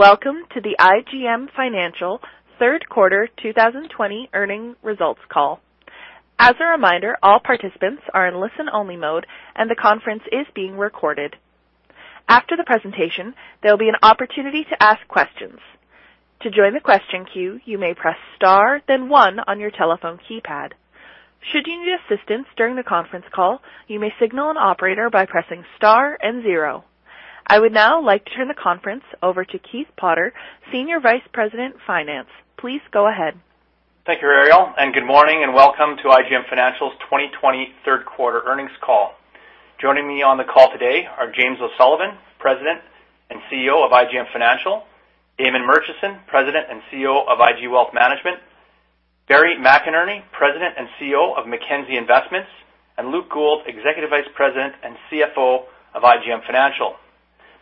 Welcome to the IGM Financial Third Quarter 2020 Earnings Results Call. As a reminder, all participants are in listen-only mode, and the conference is being recorded. After the presentation, there will be an opportunity to ask questions. To join the question queue, you may press Star, then one on your telephone keypad. Should you need assistance during the conference call, you may signal an operator by pressing Star and zero. I would now like to turn the conference over to Keith Potter, Senior Vice President, Finance. Please go ahead. Thank you, Ariel, and good morning, and welcome to IGM Financial's 2023 third quarter earnings call. Joining me on the call today are James O'Sullivan, President and CEO of IGM Financial; Damon Murchison, President and CEO of IG Wealth Management; Barry McInerney, President and CEO of Mackenzie Investments; and Luke Gould, Executive Vice President and CFO of IGM Financial.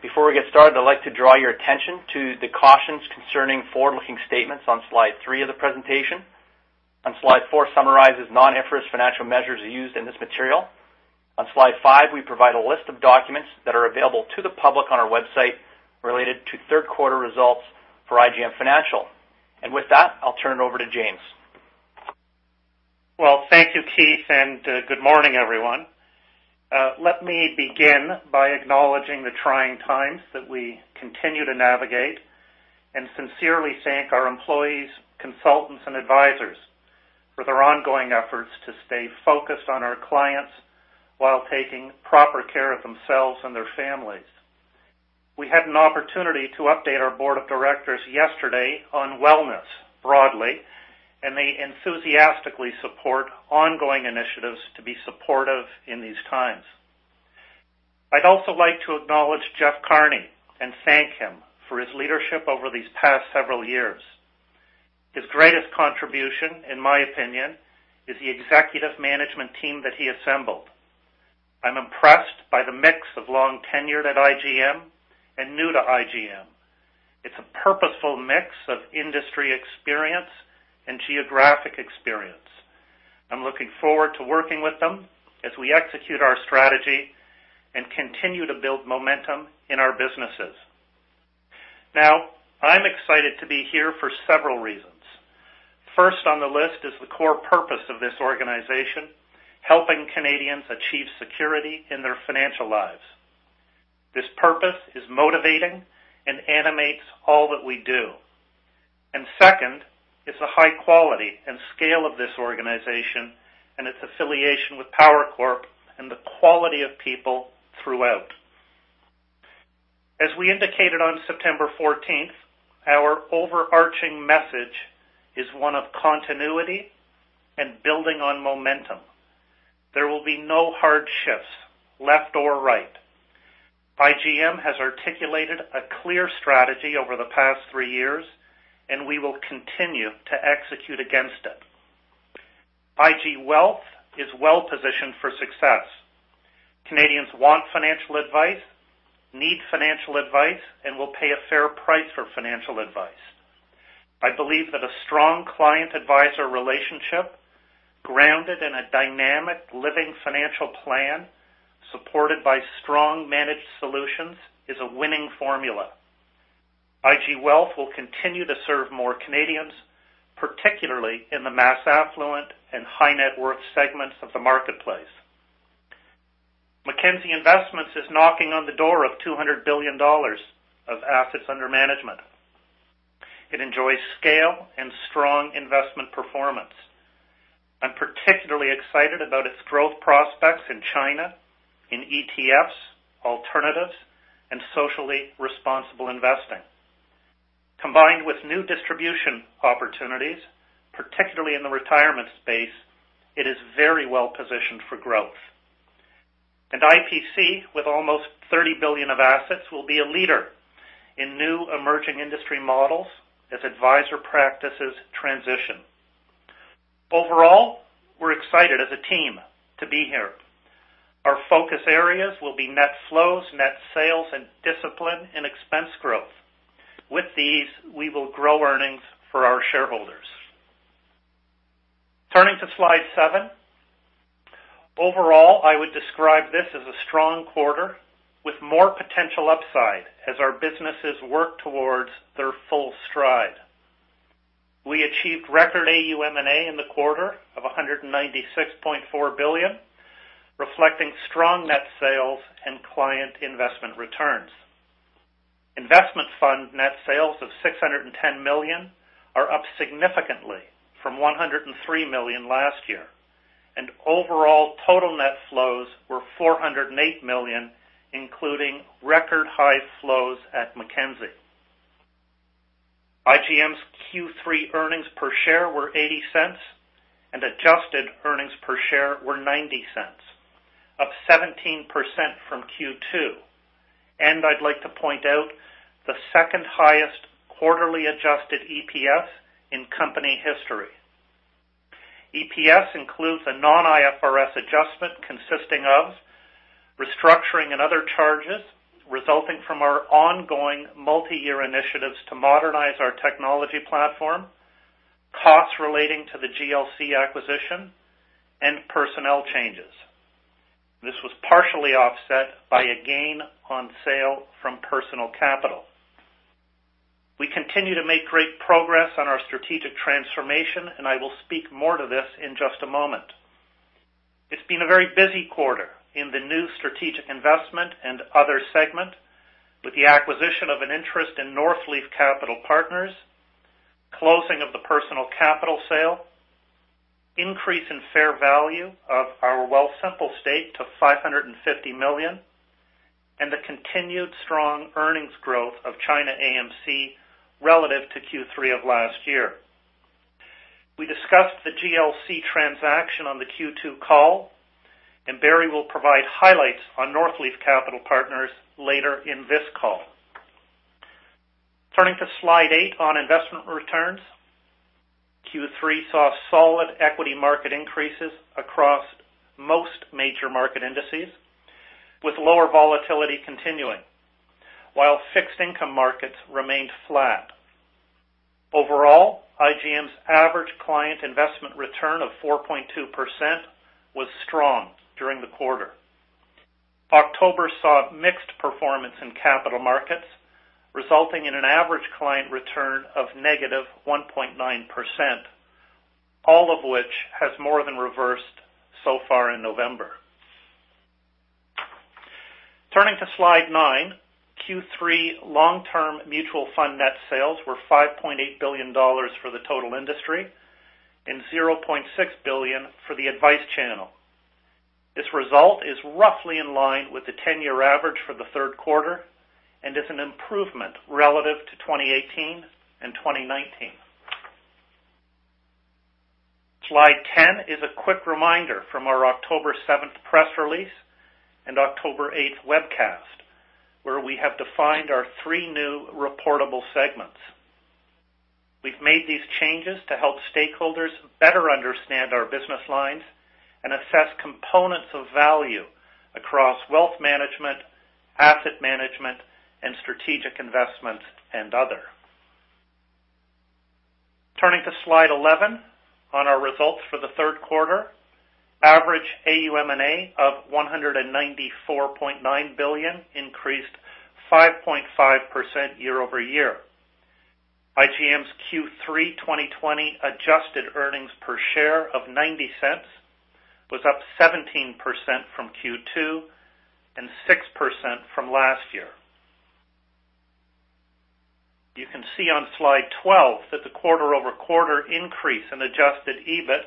Before we get started, I'd like to draw your attention to the cautions concerning forward-looking statements on Slide 3 of the presentation. On Slide 4 summarizes non-IFRS financial measures used in this material. On Slide 5, we provide a list of documents that are available to the public on our website related to third quarter results for IGM Financial. And with that, I'll turn it over to James. Well, thank you, Keith, and good morning, everyone. Let me begin by acknowledging the trying times that we continue to navigate and sincerely thank our employees, consultants, and advisors for their ongoing efforts to stay focused on our clients while taking proper care of themselves and their families. We had an opportunity to update our board of directors yesterday on wellness broadly, and they enthusiastically support ongoing initiatives to be supportive in these times. I'd also like to acknowledge Jeff Carney and thank him for his leadership over these past several years. His greatest contribution, in my opinion, is the executive management team that he assembled. I'm impressed by the mix of long tenured at IGM and new to IGM. It's a purposeful mix of industry experience and geographic experience. I'm looking forward to working with them as we execute our strategy and continue to build momentum in our businesses. Now, I'm excited to be here for several reasons. First on the list is the core purpose of this organization, helping Canadians achieve security in their financial lives. This purpose is motivating and animates all that we do. And second, it's a high quality and scale of this organization and its affiliation with Power Corp and the quality of people throughout. As we indicated on September fourteenth, our overarching message is one of continuity and building on momentum. There will be no hard shifts left or right. IGM has articulated a clear strategy over the past three years, and we will continue to execute against it. IG Wealth is well-positioned for success. Canadians want financial advice, need financial advice, and will pay a fair price for financial advice. I believe that a strong client-adviser relationship, grounded in a dynamic living financial plan, supported by strong managed solutions, is a winning formula. IG Wealth will continue to serve more Canadians, particularly in the mass affluent and high net worth segments of the marketplace. Mackenzie Investments is knocking on the door of 200 billion dollars of assets under management. It enjoys scale and strong investment performance. I'm particularly excited about its growth prospects in China, in ETFs, alternatives, and socially responsible investing. Combined with new distribution opportunities, particularly in the retirement space, it is very well positioned for growth. IPC, with almost 30 billion of assets, will be a leader in new emerging industry models as advisor practices transition. Overall, we're excited as a team to be here. Our focus areas will be net flows, net sales, and discipline and expense growth. With these, we will grow earnings for our shareholders. Turning to Slide 7. Overall, I would describe this as a strong quarter with more potential upside as our businesses work towards their full stride. We achieved record AUM&A in the quarter of 196.4 billion, reflecting strong net sales and client investment returns. Investment fund net sales of 610 million are up significantly from 103 million last year, and overall total net flows were 408 million, including record high flows at Mackenzie. IGM's Q3 earnings per share were 0.80, and adjusted earnings per share were 0.90, up 17% from Q2. I'd like to point out the second highest quarterly adjusted EPS in company history. EPS includes a non-IFRS adjustment consisting of restructuring and other charges resulting from our ongoing multi-year initiatives to modernize our technology platform, costs relating to the GLC acquisition, and personnel changes. This was partially offset by a gain on sale from Personal Capital. We continue to make great progress on our strategic transformation, and I will speak more to this in just a moment. It's been a very busy quarter in the new strategic investment and other segment, with the acquisition of an interest in Northleaf Capital Partners, closing of the Personal Capital sale, increase in fair value of our Wealthsimple stake to 550 million, and the continued strong earnings growth of ChinaAMC relative to Q3 of last year. We discussed the GLC transaction on the Q2 call, and Barry will provide highlights on Northleaf Capital Partners later in this call. Turning to Slide 8 on investment returns. Q3 saw solid equity market increases across most major market indices, with lower volatility continuing, while fixed income markets remained flat. Overall, IGM's average client investment return of 4.2% was strong during the quarter. October saw mixed performance in capital markets, resulting in an average client return of -1.9%, all of which has more than reversed so far in November. Turning to Slide 9, Q3 long-term mutual fund net sales were 5.8 billion dollars for the total industry, and 0.6 billion for the advice channel. This result is roughly in line with the 10-year average for the third quarter, and is an improvement relative to 2018 and 2019. Slide 10 is a quick reminder from our October 7th press release and October 8th webcast, where we have defined our three new reportable segments. We've made these changes to help stakeholders better understand our business lines and assess components of value across wealth management, asset management, and strategic investments and other. Turning to Slide 11 on our results for the third quarter. Average AUM&A of 194.9 billion increased 5.5% year-over-year. IGM's Q3 2020 adjusted earnings per share of 0.90 was up 17% from Q2, and 6% from last year. You can see on Slide 12 that the quarter-over-quarter increase in adjusted EBIT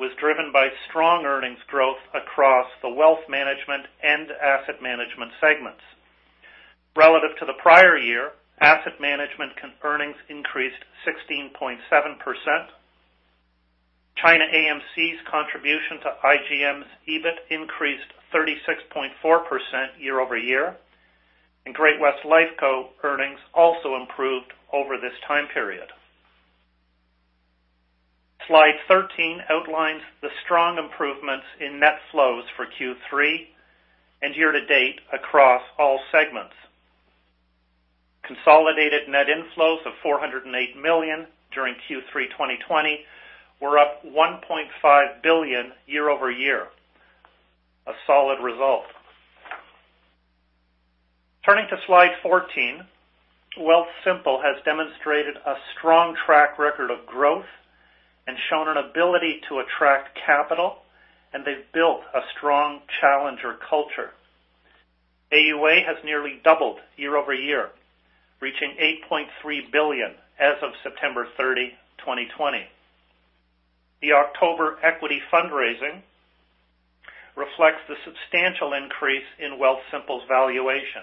was driven by strong earnings growth across the wealth management and asset management segments. Relative to the prior year, asset management contribution earnings increased 16.7%. ChinaAMC's contribution to IGM's EBIT increased 36.4% year-over-year, and Great-West Lifeco earnings also improved over this time period. Slide 13 outlines the strong improvements in net flows for Q3 and year to date across all segments. Consolidated net inflows of 408 million during Q3 2020 were up 1.5 billion year-over-year, a solid result. Turning to Slide 14, Wealthsimple has demonstrated a strong track record of growth and shown an ability to attract capital, and they've built a strong challenger culture. AUA has nearly doubled year-over-year, reaching 8.3 billion as of September 30, 2020. The October equity fundraising reflects the substantial increase in Wealthsimple's valuation,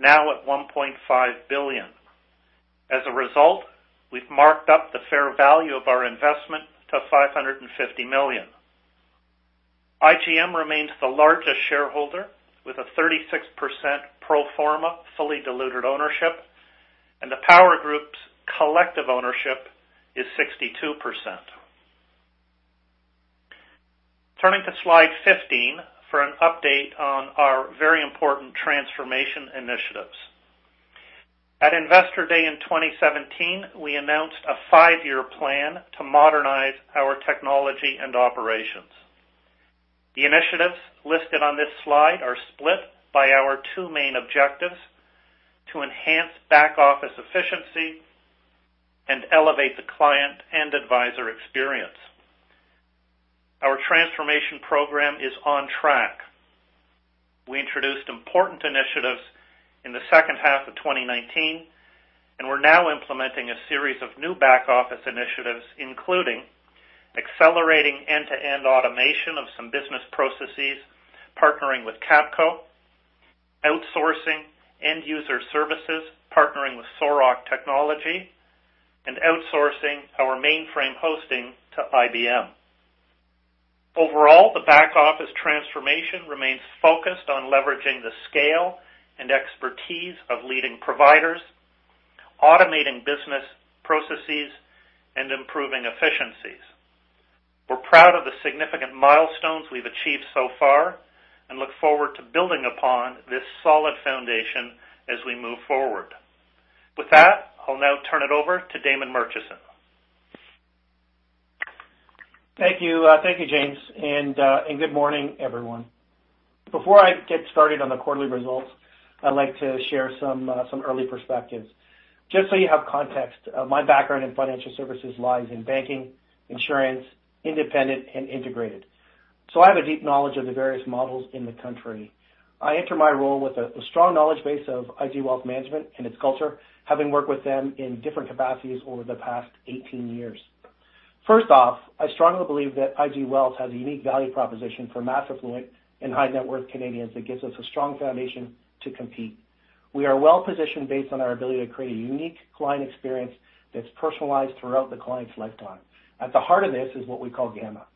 now at 1.5 billion. As a result, we've marked up the fair value of our investment to 550 million. IGM remains the largest shareholder with a 36% pro forma, fully diluted ownership, and the Power Group's collective ownership is 62%. Turning to Slide 15 for an update on our very important transformation initiatives. At Investor Day in 2017, we announced a 5-year plan to modernize our technology and operations. The initiatives listed on this slide are split by our two main objectives: to enhance back-office efficiency and elevate the client and advisor experience. Our transformation program is on track. We introduced important initiatives in the second half of 2019, and we're now implementing a series of new back-office initiatives, including accelerating end-to-end automation of some business processes, partnering with Capco, outsourcing end user services, partnering with Soroc Technology, and outsourcing our mainframe hosting to IBM. Overall, the back-office transformation remains focused on leveraging the scale and expertise of leading providers, automating business processes, and improving efficiencies. We're proud of the significant milestones we've achieved so far, and look forward to building upon this solid foundation as we move forward. With that, I'll now turn it over to Damon Murchison.... Thank you. Thank you, James, and good morning, everyone. Before I get started on the quarterly results, I'd like to share some early perspectives. Just so you have context, my background in financial services lies in banking, insurance, independent, and integrated, so I have a deep knowledge of the various models in the country. I enter my role with a strong knowledge base of IG Wealth Management and its culture, having worked with them in different capacities over the past 18 years. First off, I strongly believe that IG Wealth has a unique value proposition for mass affluent and high-net-worth Canadians that gives us a strong foundation to compete. We are well positioned based on our ability to create a unique client experience that's personalized throughout the client's lifetime. At the heart of this is what we call Gamma,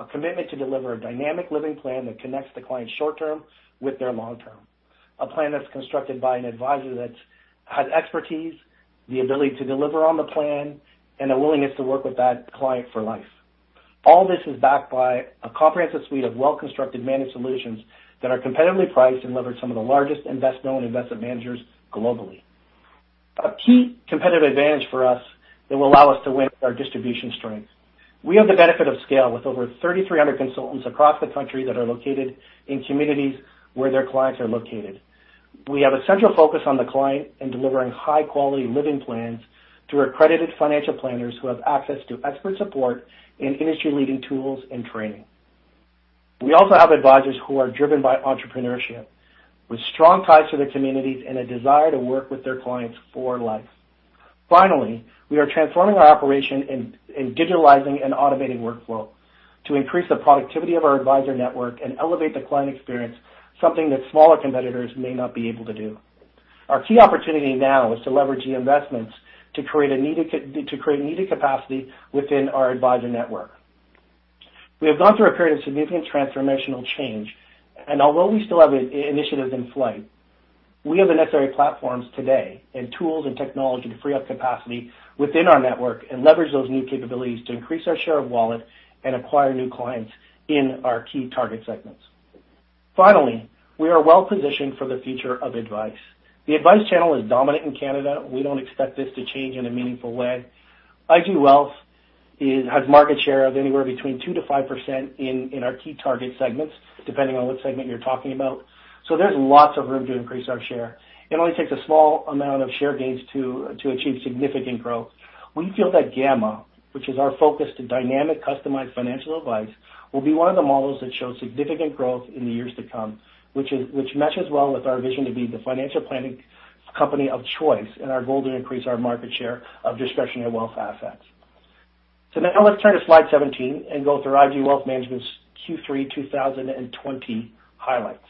a commitment to deliver a dynamic living plan that connects the client's short term with their long term. A plan that's constructed by an advisor that has expertise, the ability to deliver on the plan, and a willingness to work with that client for life. All this is backed by a comprehensive suite of well-constructed managed solutions that are competitively priced and leverage some of the largest and best-known investment managers globally. A key competitive advantage for us that will allow us to win is distribution strength. We have the benefit of scale with over 3,300 consultants across the country that are located in communities where their clients are located. We have a central focus on the client and delivering high-quality living plans through accredited financial planners who have access to expert support and industry-leading tools and training. We also have advisors who are driven by entrepreneurship, with strong ties to their communities and a desire to work with their clients for life. Finally, we are transforming our operation in digitalizing and automating workflow to increase the productivity of our advisor network and elevate the client experience, something that smaller competitors may not be able to do. Our key opportunity now is to leverage the investments to create needed capacity within our advisor network. We have gone through a period of significant transformational change, and although we still have initiatives in flight, we have the necessary platforms today, and tools and technology to free up capacity within our network and leverage those new capabilities to increase our share of wallet and acquire new clients in our key target segments. Finally, we are well positioned for the future of advice. The advice channel is dominant in Canada. We don't expect this to change in a meaningful way. IG Wealth has market share of anywhere between 2%-5% in our key target segments, depending on what segment you're talking about, so there's lots of room to increase our share. It only takes a small amount of share gains to achieve significant growth. We feel that Gamma, which is our focus to dynamic, customized financial advice, will be one of the models that show significant growth in the years to come, which meshes well with our vision to be the financial planning company of choice and our goal to increase our market share of discretionary wealth assets. So now let's turn to slide 17 and go through IG Wealth Management's Q3 2020 highlights.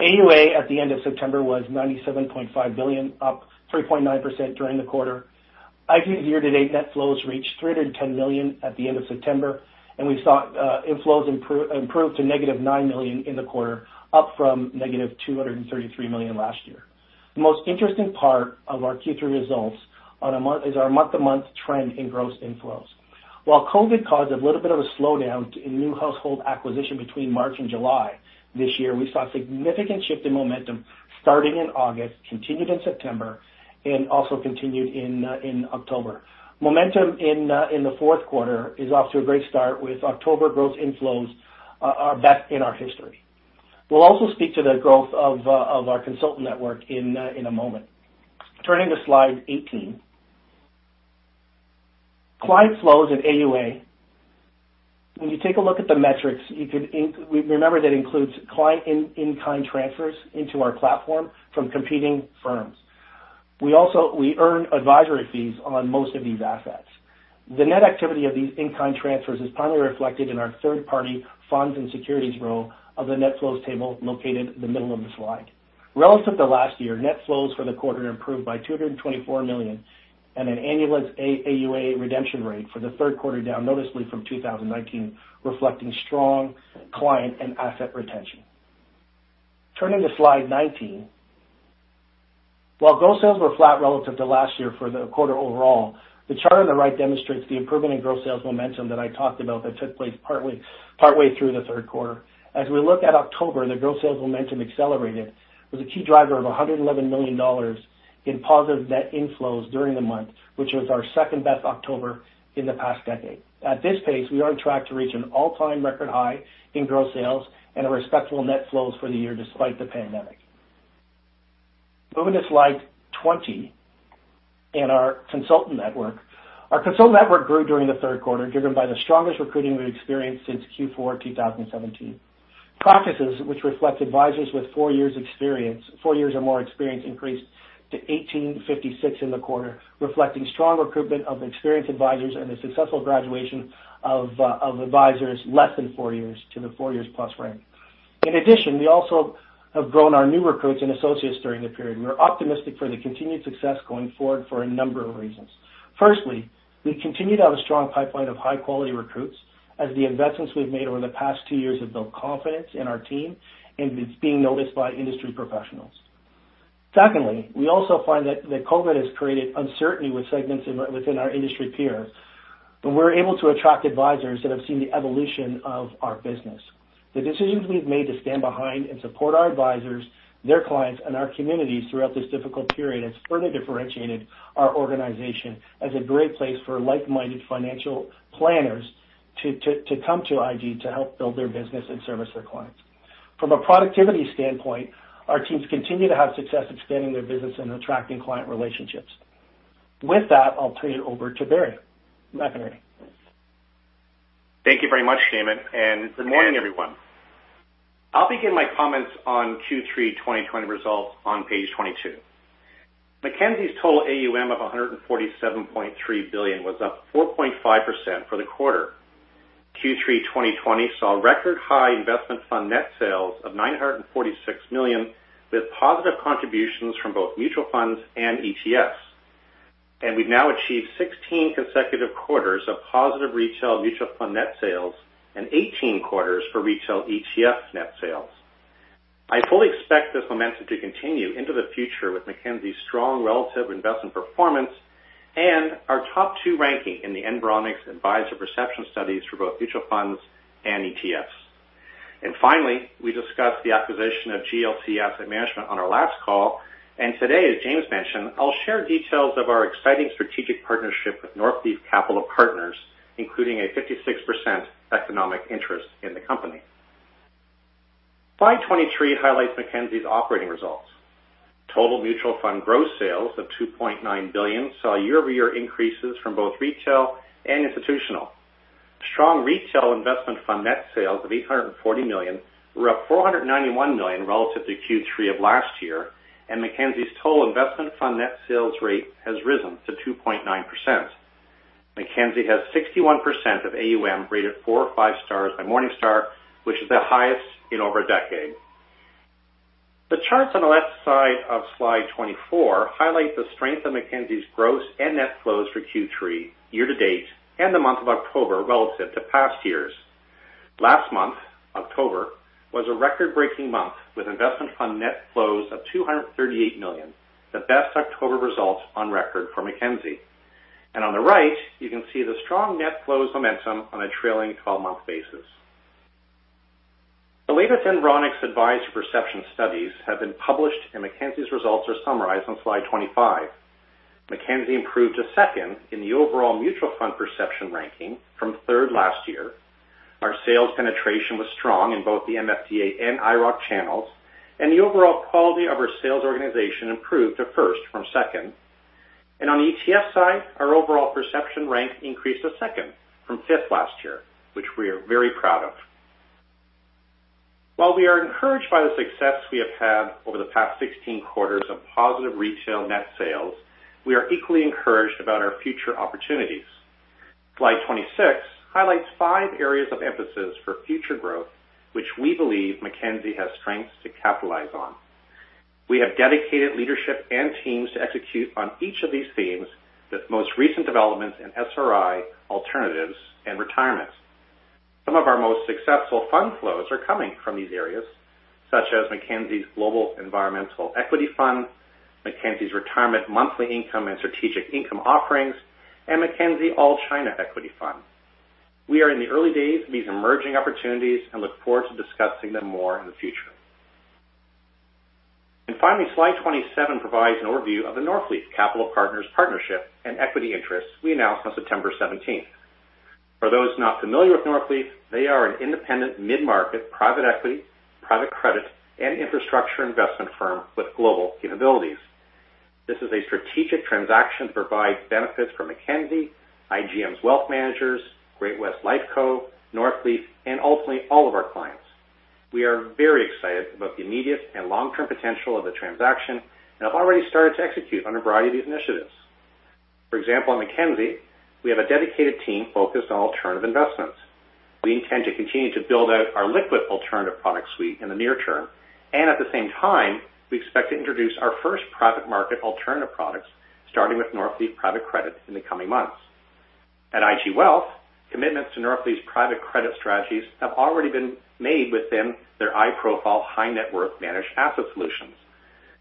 AUA at the end of September was 97.5 billion, up 3.9% during the quarter. IG year-to-date net flows reached 310 million at the end of September, and we saw, inflows improve, improved to -9 million in the quarter, up from -233 million last year. The most interesting part of our Q3 results on a month- is our month-to-month trend in gross inflows. While COVID caused a little bit of a slowdown in new household acquisition between March and July this year, we saw a significant shift in momentum starting in August, continued in September, and also continued in, in October. Momentum in, in the fourth quarter is off to a great start with October gross inflows, are best in our history. We'll also speak to the growth of our consultant network in a moment. Turning to Slide 18. Client flows at AUA. When you take a look at the metrics, you could remember, that includes client in-kind transfers into our platform from competing firms. We also earn advisory fees on most of these assets. The net activity of these in-kind transfers is primarily reflected in our third-party funds and securities row of the net flows table located in the middle of the slide. Relative to last year, net flows for the quarter improved by 224 million, and an annualized AUA redemption rate for the third quarter, down noticeably from 2019, reflecting strong client and asset retention. Turning to slide 19. While gross sales were flat relative to last year for the quarter overall, the chart on the right demonstrates the improvement in gross sales momentum that I talked about that took place partway through the third quarter. As we look at October, the gross sales momentum accelerated, with a key driver of 111 million dollars in positive net inflows during the month, which was our second-best October in the past decade. At this pace, we are on track to reach an all-time record high in gross sales and a respectable net flows for the year, despite the pandemic. Moving to Slide 20, our consultant network. Our consultant network grew during the third quarter, driven by the strongest recruiting we've experienced since Q4 2017. Practices, which reflect advisors with four years experience - four years or more experience, increased to 1,856 in the quarter, reflecting strong recruitment of experienced advisors and the successful graduation of advisors less than four years to the four years-plus rank. In addition, we also have grown our new recruits and associates during the period. We are optimistic for the continued success going forward for a number of reasons. Firstly, we continue to have a strong pipeline of high-quality recruits, as the investments we've made over the past two years have built confidence in our team, and it's being noticed by industry professionals. Secondly, we also find that COVID has created uncertainty with segments within our industry peers, but we're able to attract advisors that have seen the evolution of our business.... The decisions we've made to stand behind and support our advisors, their clients, and our communities throughout this difficult period has further differentiated our organization as a great place for like-minded financial planners to come to IG to help build their business and service their clients. From a productivity standpoint, our teams continue to have success expanding their business and attracting client relationships. With that, I'll turn it over to Barry. Hi, Barry. Thank you very much, Damon, and good morning, everyone. I'll begin my comments on Q3 2020 results on page 22. Mackenzie's total AUM of 147.3 billion was up 4.5% for the quarter. Q3 2020 saw record high investment fund net sales of 946 million, with positive contributions from both mutual funds and ETFs. We've now achieved 16 consecutive quarters of positive retail mutual fund net sales and 18 quarters for retail ETF net sales. I fully expect this momentum to continue into the future with Mackenzie's strong relative investment performance and our top two ranking in the Environics Advisor Perception Studies for both mutual funds and ETFs. And finally, we discussed the acquisition of GLC Asset Management on our last call, and today, as James mentioned, I'll share details of our exciting strategic partnership with Northleaf Capital Partners, including a 56% economic interest in the company. Slide 23 highlights Mackenzie's operating results. Total mutual fund gross sales of 2.9 billion saw year-over-year increases from both retail and institutional. Strong retail investment fund net sales of 840 million were up 491 million relative to Q3 of last year, and Mackenzie's total investment fund net sales rate has risen to 2.9%. Mackenzie has 61% of AUM rated 4 or 5 stars by Morningstar, which is the highest in over a decade. The charts on the left side of Slide 24 highlight the strength of Mackenzie's gross and net flows for Q3 year to date and the month of October relative to past years. Last month, October, was a record-breaking month, with investment fund net flows of 238 million, the best October results on record for Mackenzie. And on the right, you can see the strong net flows momentum on a trailing twelve-month basis. The latest Environics Advisor Perception Studies have been published, and Mackenzie's results are summarized on Slide 25. Mackenzie improved to second in the overall mutual fund perception ranking from third last year. Our sales penetration was strong in both the MFDA and IIROC channels, and the overall quality of our sales organization improved to first from second. On the ETF side, our overall perception rank increased to second from fifth last year, which we are very proud of. While we are encouraged by the success we have had over the past 16 quarters of positive retail net sales, we are equally encouraged about our future opportunities. Slide 26 highlights 5 areas of emphasis for future growth, which we believe Mackenzie has strengths to capitalize on. We have dedicated leadership and teams to execute on each of these themes, with most recent developments in SRI, alternatives, and retirement. Some of our most successful fund flows are coming from these areas, such as Mackenzie's Global Environmental Equity Fund, Mackenzie's Retirement Monthly Income and Strategic Income offerings, and Mackenzie All-China Equity Fund. We are in the early days of these emerging opportunities and look forward to discussing them more in the future. Finally, Slide 27 provides an overview of the Northleaf Capital Partners partnership and equity interests we announced on September 17th. For those not familiar with Northleaf, they are an independent mid-market, private equity, private credit, and infrastructure investment firm with global capabilities. This is a strategic transaction to provide benefits for Mackenzie, IGM's wealth managers, Great-West Lifeco, Northleaf, and ultimately all of our clients. We are very excited about the immediate and long-term potential of the transaction and have already started to execute on a variety of these initiatives. For example, in Mackenzie, we have a dedicated team focused on alternative investments. We intend to continue to build out our liquid alternative product suite in the near term, and at the same time, we expect to introduce our first private market alternative products, starting with Northleaf Private Credit, in the coming months. At IG Wealth, commitments to Northleaf's private credit strategies have already been made within their iProfile high-net-worth managed asset solutions.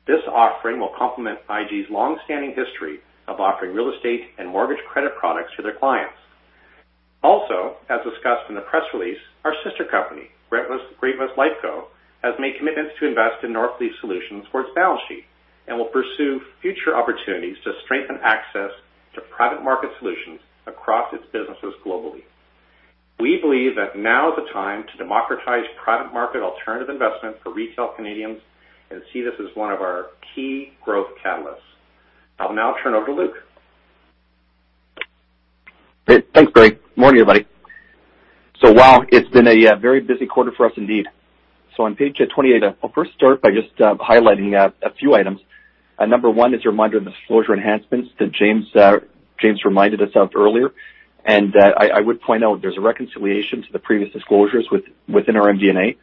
This offering will complement IG's long-standing history of offering real estate and mortgage credit products to their clients. Also, as discussed in the press release, our sister company, Great-West Lifeco, has made commitments to invest in Northleaf Capital for its balance sheet and will pursue future opportunities to strengthen access to private market solutions across its businesses globally. We believe that now is the time to democratize private market alternative investment for retail Canadians and see this as one of our key growth catalysts. I'll now turn over to Luke. Hey, thanks, Barry. Morning, everybody. So wow, it's been a very busy quarter for us indeed. So on page 28, I'll first start by just highlighting a few items. Number one is a reminder of the disclosure enhancements that James reminded us of earlier. And I would point out there's a reconciliation to the previous disclosures within our MD&A,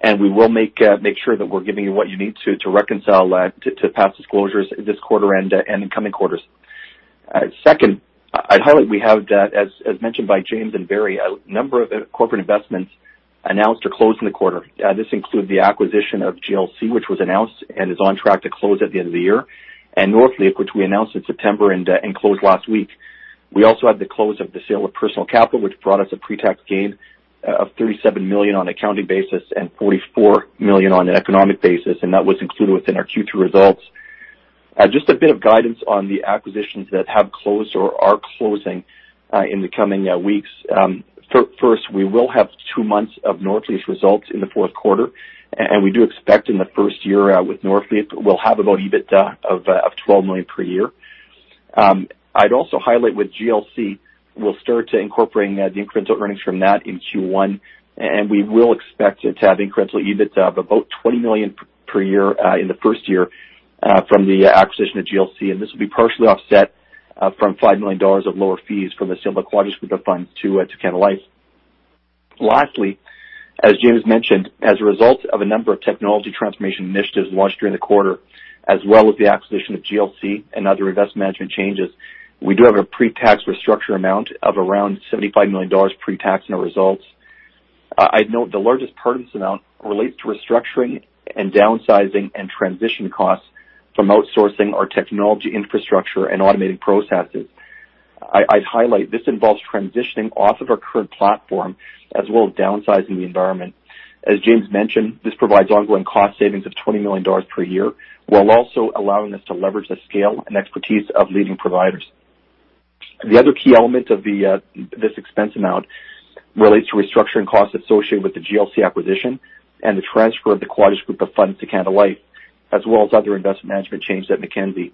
and we will make sure that we're giving you what you need to reconcile to past disclosures this quarter and in coming quarters. Second, I'd highlight we have, as mentioned by James and Barry, a number of corporate investments announced or closed in the quarter. This includes the acquisition of GLC, which was announced and is on track to close at the end of the year, and Northleaf, which we announced in September and closed last week. We also had the close of the sale of Personal Capital, which brought us a pre-tax gain of CAD 37 million on accounting basis and CAD 44 million on an economic basis, and that was included within our Q2 results. Just a bit of guidance on the acquisitions that have closed or are closing in the coming weeks. First, we will have two months of Northleaf's results in the fourth quarter, and we do expect in the first year with Northleaf, we'll have about EBITDA of CAD 12 million per year. I'd also highlight with GLC, we'll start to incorporate the incremental earnings from that in Q1, and we will expect it to have incremental EBIT of about 20 million per year in the first year from the acquisition of GLC. This will be partially offset from 5 million dollars of lower fees from the sale of the Quadrus Group of Funds to Canada Life. Lastly, as James mentioned, as a result of a number of technology transformation initiatives launched during the quarter, as well as the acquisition of GLC and other investment management changes, we do have a pre-tax restructure amount of around 75 million dollars pre-tax in our results. I'd note the largest part of this amount relates to restructuring and downsizing and transition costs from outsourcing our technology infrastructure and automating processes. I'd highlight, this involves transitioning off of our current platform as well as downsizing the environment. As James mentioned, this provides ongoing cost savings of 20 million dollars per year, while also allowing us to leverage the scale and expertise of leading providers. The other key element of this expense amount relates to restructuring costs associated with the GLC acquisition and the transfer of the Quadrus Group of funds to Canada Life, as well as other investment management changes at Mackenzie.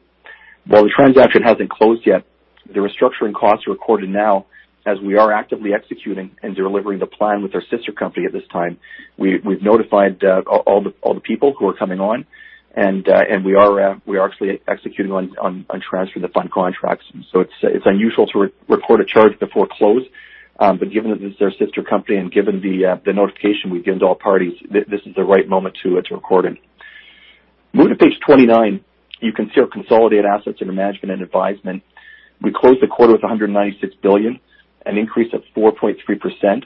While the transaction hasn't closed yet, the restructuring costs are recorded now as we are actively executing and delivering the plan with our sister company at this time. We've notified all the people who are coming on, and we are actually executing on transferring the fund contracts. It's unusual to re-record a charge before close, but given that this is our sister company and given the notification we've given to all parties, this is the right moment to record it. Moving to page 29, you can see our consolidated assets under management and advisement. We closed the quarter with 196 billion, an increase of 4.3%,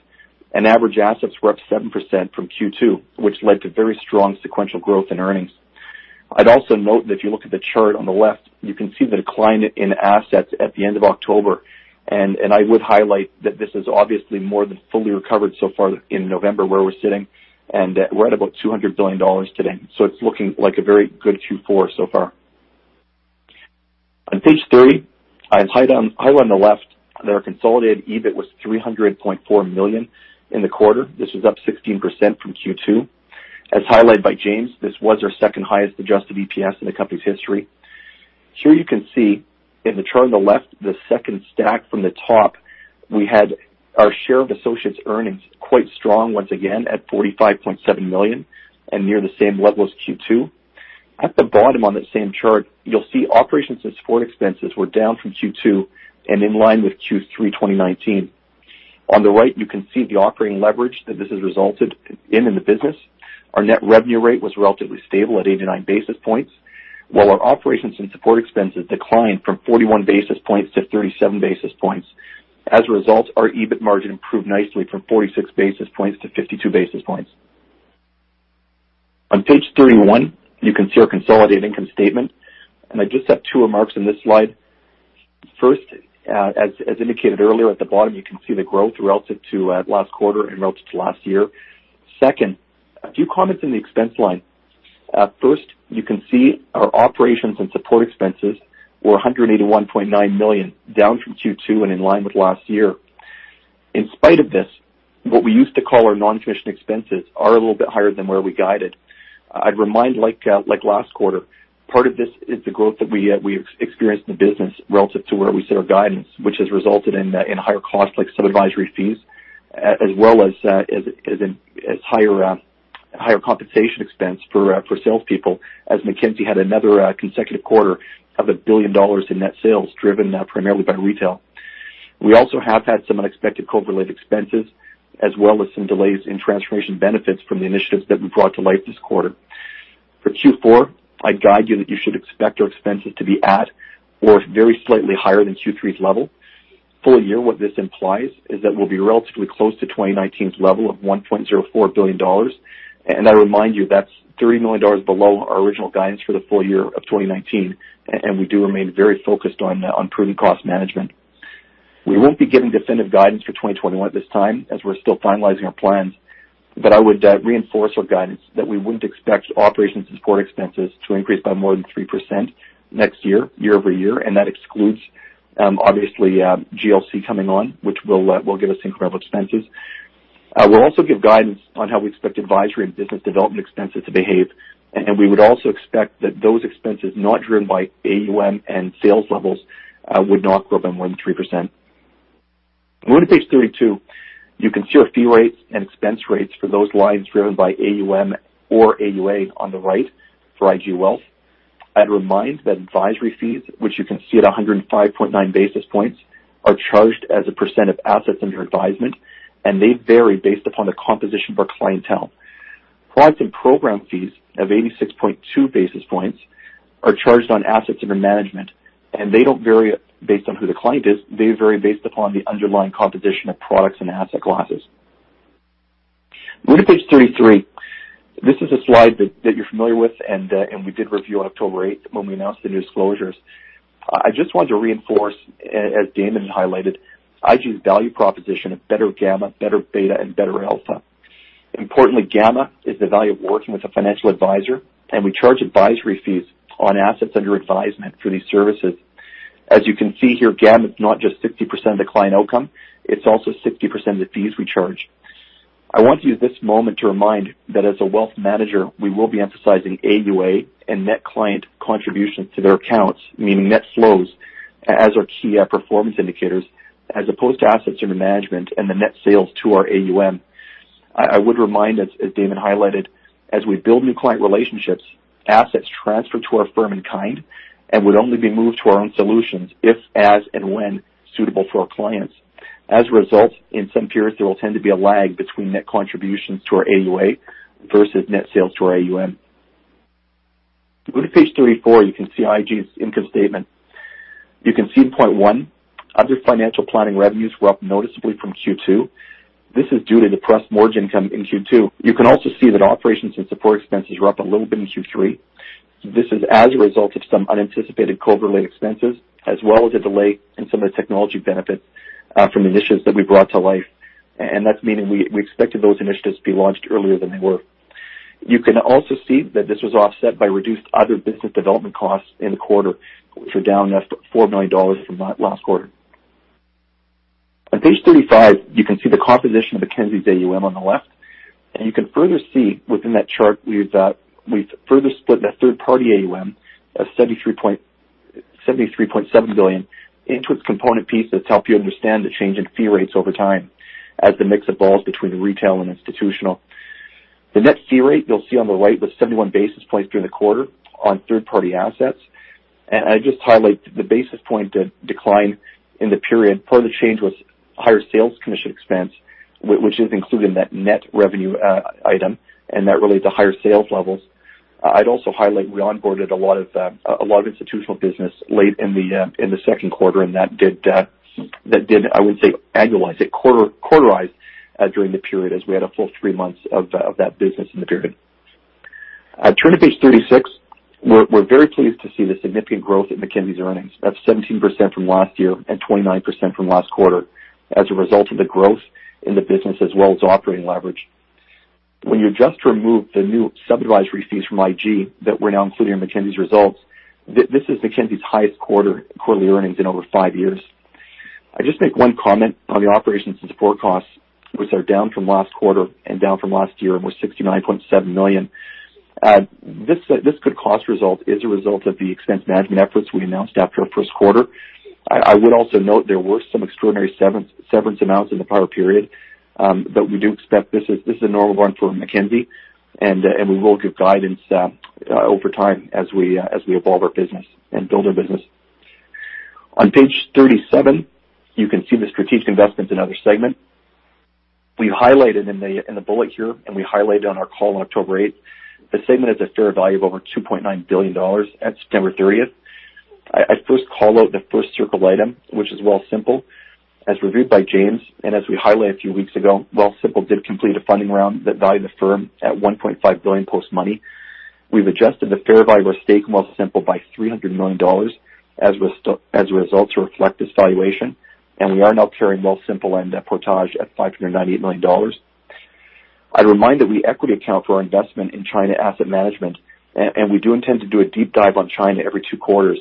and average assets were up 7% from Q2, which led to very strong sequential growth in earnings. I'd also note that if you look at the chart on the left, you can see the decline in assets at the end of October, and I would highlight that this is obviously more than fully recovered so far in November, where we're sitting, and we're at about 200 billion dollars today. So it's looking like a very good Q4 so far. On page 30, I've highlight on the left that our consolidated EBIT was 300.4 million in the quarter. This was up 16% from Q2. As highlighted by James, this was our second highest adjusted EPS in the company's history. Here you can see in the chart on the left, the second stack from the top, we had our share of associates' earnings quite strong once again at 45.7 million and near the same level as Q2. At the bottom of that same chart, you'll see operations and support expenses were down from Q2 and in line with Q3 2019. On the right, you can see the operating leverage that this has resulted in, in the business. Our net revenue rate was relatively stable at 89 basis points, while our operations and support expenses declined from 41 basis points to 37 basis points. As a result, our EBIT margin improved nicely from 46 basis points to 52 basis points. On page 31, you can see our consolidated income statement, and I just have two remarks on this slide. First, as indicated earlier, at the bottom, you can see the growth relative to last quarter and relative to last year. Second, a few comments on the expense line. First, you can see our operations and support expenses were 181.9 million, down from Q2 and in line with last year. In spite of this, what we used to call our non-commission expenses are a little bit higher than where we guided. I'd remind, like, like last quarter, part of this is the growth that we, we experienced in the business relative to where we set our guidance, which has resulted in, in higher costs, like some advisory fees, as well as, as higher, higher compensation expense for, for salespeople, as Mackenzie had another, consecutive quarter of 1 billion dollars in net sales, driven, primarily by retail. We also have had some unexpected COVID-related expenses, as well as some delays in transformation benefits from the initiatives that we brought to life this quarter. For Q4, I'd guide you that you should expect our expenses to be at or very slightly higher than Q3's level. Full year, what this implies is that we'll be relatively close to 2019's level of 1.04 billion dollars. I remind you, that's 3 million dollars below our original guidance for the full year of 2019, and we do remain very focused on, on improving cost management. We won't be giving definitive guidance for 2021 at this time, as we're still finalizing our plans, but I would, reinforce our guidance that we wouldn't expect operations and support expenses to increase by more than 3% next year, year-over-year, and that excludes, obviously, GLC coming on, which will, will give us incredible expenses. We'll also give guidance on how we expect advisory and business development expenses to behave, and we would also expect that those expenses not driven by AUM and sales levels, would not grow by more than 3%. Moving to page 32, you can see our fee rates and expense rates for those lines driven by AUM or AUA on the right for IG Wealth. I'd remind that advisory fees, which you can see at 105.9 basis points, are charged as a % of assets under advisement, and they vary based upon the composition of our clientele. Products and program fees of 86.2 basis points are charged on assets under management, and they don't vary based on who the client is. They vary based upon the underlying composition of products and asset classes.... Go to page 33. This is a slide that you're familiar with, and we did review on October 8th when we announced the disclosures. I just wanted to reinforce, as Damon highlighted, IG's value proposition of better gamma, better beta, and better alpha. Importantly, gamma is the value of working with a financial advisor, and we charge advisory fees on assets under advisement for these services. As you can see here, gamma is not just 60% of the client outcome, it's also 60% of the fees we charge. I want to use this moment to remind that as a wealth manager, we will be emphasizing AUA and net client contribution to their accounts, meaning net flows, as our key performance indicators, as opposed to assets under management and the net sales to our AUM. I would remind us, as Damon highlighted, as we build new client relationships, assets transfer to our firm in kind and would only be moved to our own solutions if, as, and when suitable for our clients. As a result, in some periods, there will tend to be a lag between net contributions to our AUA versus net sales to our AUM. Go to page 34, you can see IG's income statement. You can see in point one, other financial planning revenues were up noticeably from Q2. This is due to depressed mortgage income in Q2. You can also see that operations and support expenses were up a little bit in Q3. This is as a result of some unanticipated COVID-related expenses, as well as a delay in some of the technology benefits from initiatives that we brought to life. And that's meaning we expected those initiatives to be launched earlier than they were. You can also see that this was offset by reduced other business development costs in the quarter, which are down 4 million dollars from last quarter. On page 35, you can see the composition of Mackenzie's AUM on the left, and you can further see within that chart, we've further split the third-party AUM of 73.7 billion into its component pieces to help you understand the change in fee rates over time as the mix evolves between retail and institutional. The net fee rate you'll see on the right was 71 basis points during the quarter on third-party assets. I just highlight the basis point decline in the period. Part of the change was higher sales commission expense, which is included in that net revenue item, and that related to higher sales levels. I'd also highlight, we onboarded a lot of institutional business late in the second quarter, and that did, I wouldn't say annualize it, quarter-quarterize, during the period as we had a full three months of that business in the period. Turn to page 36. We're very pleased to see the significant growth in Mackenzie's earnings. That's 17% from last year and 29% from last quarter as a result of the growth in the business as well as operating leverage. When you adjust to remove the new sub-advisory fees from IG that we're now including in Mackenzie's results, this is Mackenzie's highest quarterly earnings in over five years. I'd just make one comment on the operations and support costs, which are down from last quarter and down from last year and were 69.7 million. This cost result is a result of the expense management efforts we announced after our first quarter. I would also note there were some extraordinary severance amounts in the prior period, but we do expect this is a normal run for Mackenzie, and we will give guidance over time as we evolve our business and build our business. On page 37, you can see the strategic investment in other segment. We highlighted in the bullet here, and we highlighted on our call on October 8th, the segment has a fair value of over 2.9 billion dollars at September thirtieth. I first call out the first circle item, which is Wealthsimple. As reviewed by James, and as we highlighted a few weeks ago, Wealthsimple did complete a funding round that valued the firm at 1.5 billion post-money. We've adjusted the fair value of our stake in Wealthsimple by 300 million dollars, as a result, to reflect this valuation, and we are now carrying Wealthsimple and Portage at 598 million dollars. I'd remind that we equity account for our investment in China Asset Management, and we do intend to do a deep dive on China every two quarters.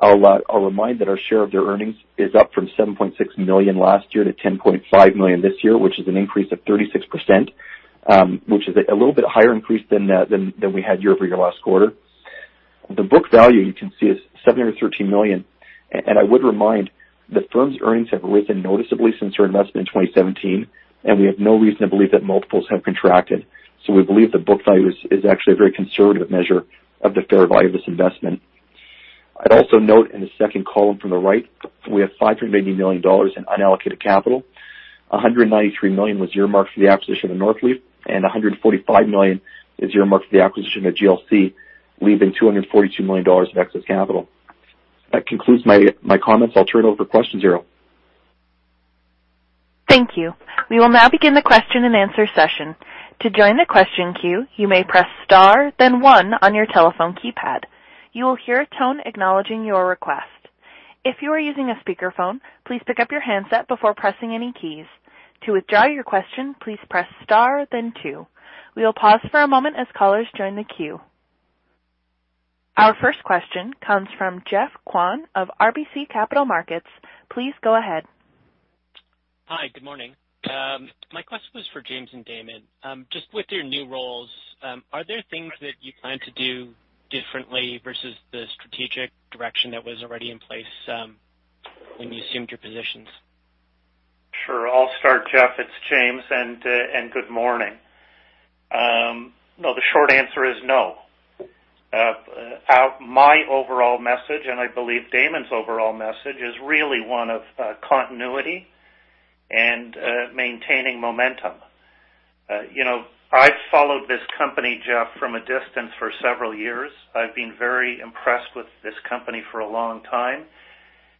I'll remind that our share of their earnings is up from 7.6 million last year to 10.5 million this year, which is an increase of 36%, which is a little bit higher increase than, than we had year-over-year last quarter. The book value, you can see, is 713 million. And I would remind, the firm's earnings have risen noticeably since our investment in 2017, and we have no reason to believe that multiples have contracted. So we believe the book value is actually a very conservative measure of the fair value of this investment. I'd also note in the second column from the right, we have 580 million dollars in unallocated capital. 193 million was earmarked for the acquisition of Northleaf, and 145 million is earmarked for the acquisition of GLC, leaving 242 million dollars of excess capital. That concludes my comments. I'll turn it over to questions, Ariel. Thank you. We will now begin the question-and-answer session. To join the question queue, you may press star then one on your telephone keypad. You will hear a tone acknowledging your request. If you are using a speakerphone, please pick up your handset before pressing any keys. To withdraw your question, please press star then two. We will pause for a moment as callers join the queue. Our first question comes from Geoff Kwan of RBC Capital Markets. Please go ahead. Hi, good morning. My question was for James and Damon. Just with your new roles, are there things that you plan to do differently versus the strategic direction that was already in place, when you assumed your positions? Sure. I'll start, Geoff. It's James, and good morning. No, the short answer is no. My overall message, and I believe Damon's overall message, is really one of continuity and maintaining momentum. You know- ... I followed this company, Geoff, from a distance for several years. I've been very impressed with this company for a long time,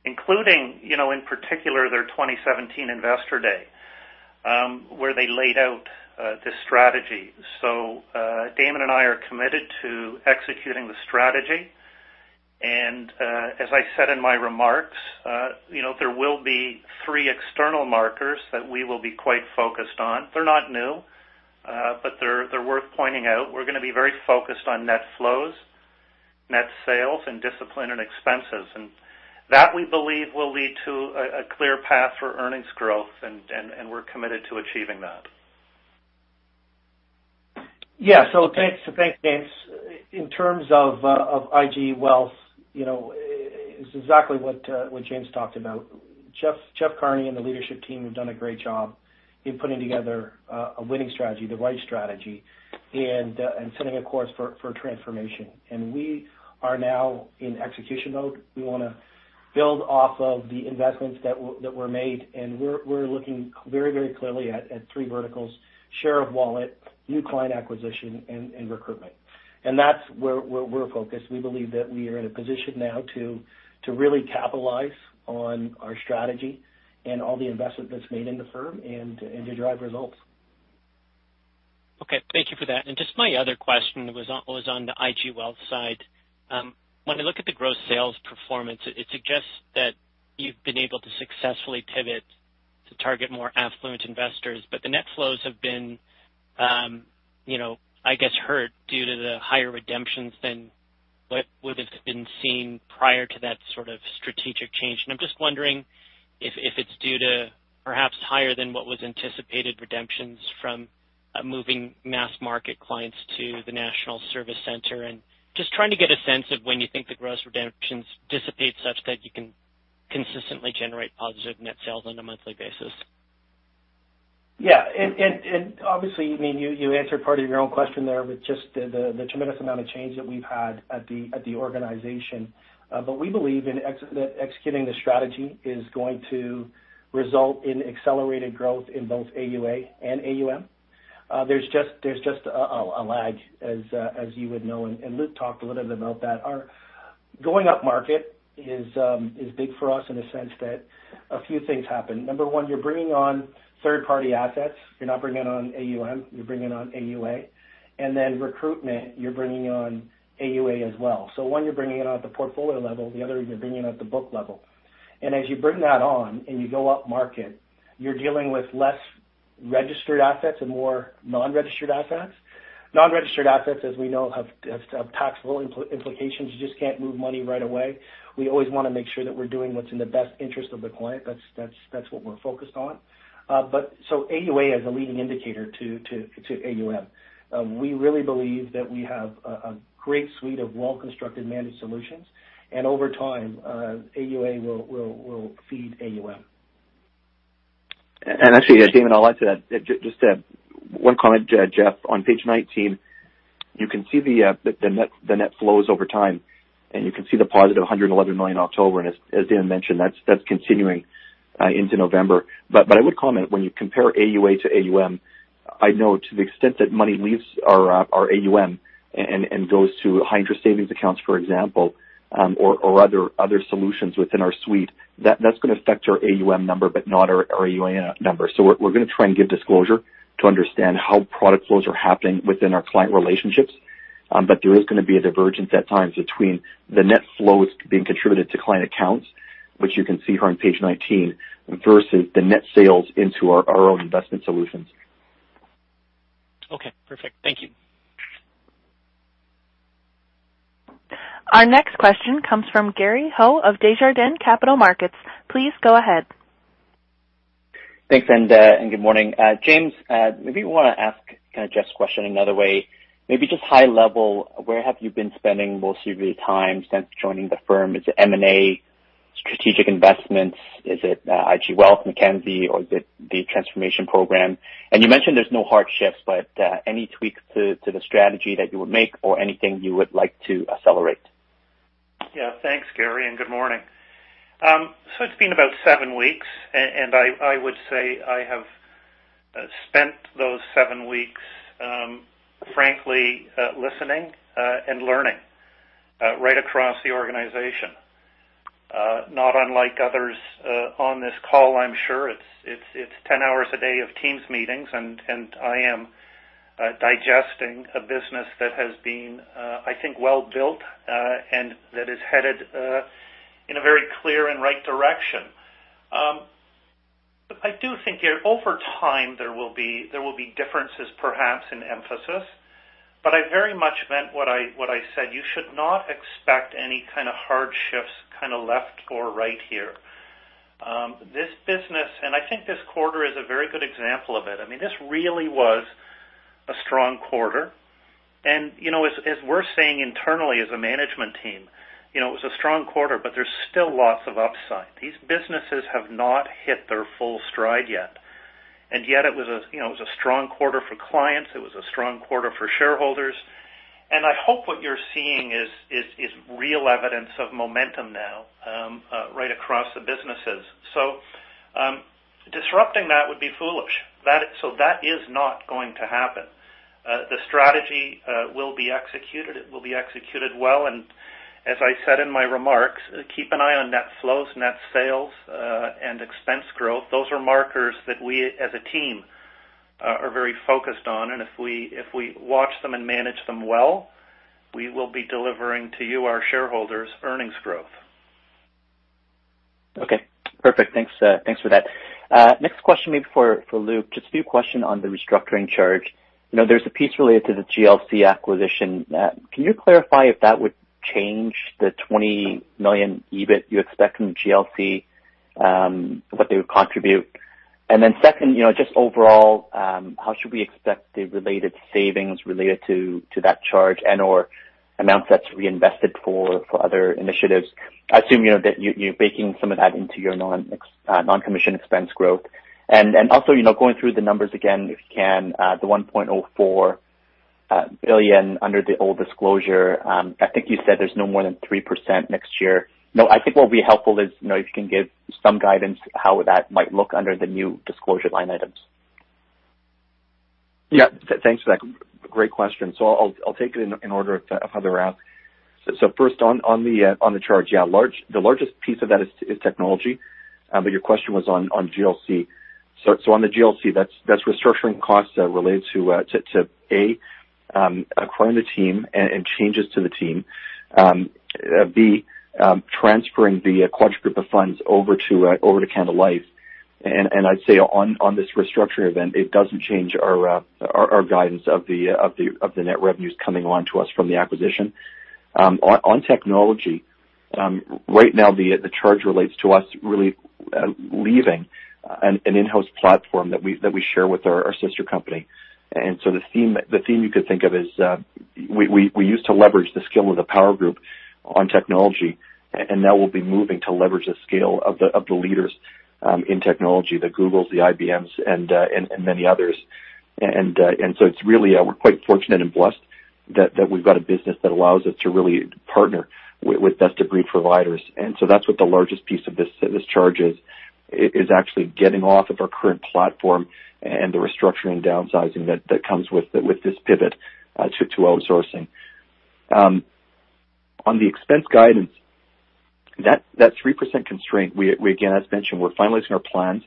including, you know, in particular, their 2017 investor day, where they laid out this strategy. So, Damon and I are committed to executing the strategy. And, as I said in my remarks, you know, there will be three external markers that we will be quite focused on. They're not new, but they're, they're worth pointing out. We're gonna be very focused on net flows, net sales, and discipline and expenses. And that, we believe, will lead to a clear path for earnings growth, and, and, and we're committed to achieving that. Yeah. So thanks. So thanks, James. In terms of, of IG Wealth, you know, it's exactly what, what James talked about. Jeff, Jeff Carney, and the leadership team have done a great job in putting together, a winning strategy, the right strategy, and, and setting a course for, for transformation. And we are now in execution mode. We wanna build off of the investments that that were made, and we're, we're looking very, very clearly at, at three verticals: share of wallet, new client acquisition, and, and recruitment. And that's where, where we're focused. We believe that we are in a position now to, to really capitalize on our strategy and all the investment that's made in the firm and, and to drive results. Okay, thank you for that. Just my other question was on the IG Wealth side. When we look at the gross sales performance, it suggests that you've been able to successfully pivot to target more affluent investors. But the net flows have been, you know, I guess, hurt due to the higher redemptions than what would've been seen prior to that sort of strategic change. And I'm just wondering if it's due to perhaps higher than what was anticipated redemptions from moving mass market clients to the national service center, and just trying to get a sense of when you think the gross redemptions dissipate such that you can consistently generate positive net sales on a monthly basis. Yeah. And obviously, I mean, you answered part of your own question there with just the tremendous amount of change that we've had at the organization. But we believe that executing the strategy is going to result in accelerated growth in both AUA and AUM. There's just a lag as you would know, and Luke talked a little bit about that. Our going up market is big for us in the sense that a few things happen. Number one, you're bringing on third-party assets. You're not bringing on AUM, you're bringing on AUA. And then recruitment, you're bringing on AUA as well. So one, you're bringing it on at the portfolio level, the other you're bringing on at the book level. As you bring that on, and you go up market, you're dealing with less registered assets and more non-registered assets. Non-registered assets, as we know, have taxable implications. You just can't move money right away. We always wanna make sure that we're doing what's in the best interest of the client. That's what we're focused on. But so AUA is a leading indicator to AUM. We really believe that we have a great suite of well-constructed managed solutions, and over time, AUA will feed AUM. And actually, Damon, I'll add to that. Just one comment, Jeff. On page 19, you can see the net flows over time, and you can see the positive 111 million October, and as Damon mentioned, that's continuing into November. But I would comment, when you compare AUA to AUM, I know to the extent that money leaves our AUM and goes to high interest savings accounts, for example, or other solutions within our suite, that's gonna affect our AUM number, but not our AUA number. So we're gonna try and give disclosure to understand how product flows are happening within our client relationships. But there is gonna be a divergence at times between the net flows being contributed to client accounts, which you can see here on page 19, versus the net sales into our own investment solutions. Okay, perfect. Thank you. Our next question comes from Gary Ho of Desjardins Capital Markets. Please go ahead. Thanks, and, and good morning. James, maybe I wanna ask kind of Jeff's question another way. Maybe just high level, where have you been spending most of your time since joining the firm? Is it M&A, strategic investments? Is it, IG Wealth, Mackenzie, or is it the transformation program? And you mentioned there's no hard shifts, but, any tweaks to, to the strategy that you would make or anything you would like to accelerate? Yeah. Thanks, Gary, and good morning. So it's been about seven weeks, and I would say I have spent those seven weeks, frankly, listening and learning right across the organization. Not unlike others on this call, I'm sure, it's 10 hours a day of Teams meetings, and I am digesting a business that has been, I think, well-built, and that is headed in a very clear and right direction. I do think here, over time, there will be differences, perhaps in emphasis, but I very much meant what I said. You should not expect any kind of hard shifts, kind of left or right here. This business... I think this quarter is a very good example of it. I mean, this really was a strong quarter, and, you know, as, as we're saying internally as a management team, you know, it was a strong quarter, but there's still lots of upside. These businesses have not hit their full stride yet, and yet it was a, you know, it was a strong quarter for clients, it was a strong quarter for shareholders, and I hope what you're seeing is real evidence of momentum now, right across the businesses. So-... disrupting that would be foolish. That, so that is not going to happen. The strategy will be executed, it will be executed well, and as I said in my remarks, keep an eye on net flows, net sales, and expense growth. Those are markers that we as a team are very focused on, and if we, if we watch them and manage them well, we will be delivering to you, our shareholders, earnings growth. Okay, perfect. Thanks, thanks for that. Next question maybe for Luke. Just a few questions on the restructuring charge. You know, there's a piece related to the GLC acquisition. Can you clarify if that would change the 20 million EBIT you expect from GLC, what they would contribute? And then second, you know, just overall, how should we expect the related savings related to that charge, and/or amounts that's reinvested for other initiatives? I assume you know that you, you're baking some of that into your non-commission expense growth. And also, you know, going through the numbers again, if you can, the 1.04 billion under the old disclosure, I think you said there's no more than 3% next year. No, I think what would be helpful is, you know, if you can give some guidance how that might look under the new disclosure line items. Yeah, thanks for that. Great question. So I'll take it in order of how they're asked. So first on the charge, yeah, the largest piece of that is technology. But your question was on GLC. So on the GLC, that's restructuring costs related to A, acquiring the team and changes to the team. B, transferring the Quadrus of funds over to Canada Life. And I'd say on this restructuring event, it doesn't change our guidance of the net revenues coming on to us from the acquisition. On technology, right now, the charge relates to us really leaving an in-house platform that we share with our sister company. And so the theme you could think of is we used to leverage the skill of the Power Group on technology, and now we'll be moving to leverage the scale of the leaders in technology, the Googles, the IBMs, and many others. And so it's really we're quite fortunate and blessed that we've got a business that allows us to really partner with best-of-breed providers. And so that's what the largest piece of this charge is actually getting off of our current platform and the restructuring and downsizing that comes with this pivot to outsourcing. On the expense guidance, that 3% constraint, we again, as mentioned, we're finalizing our plans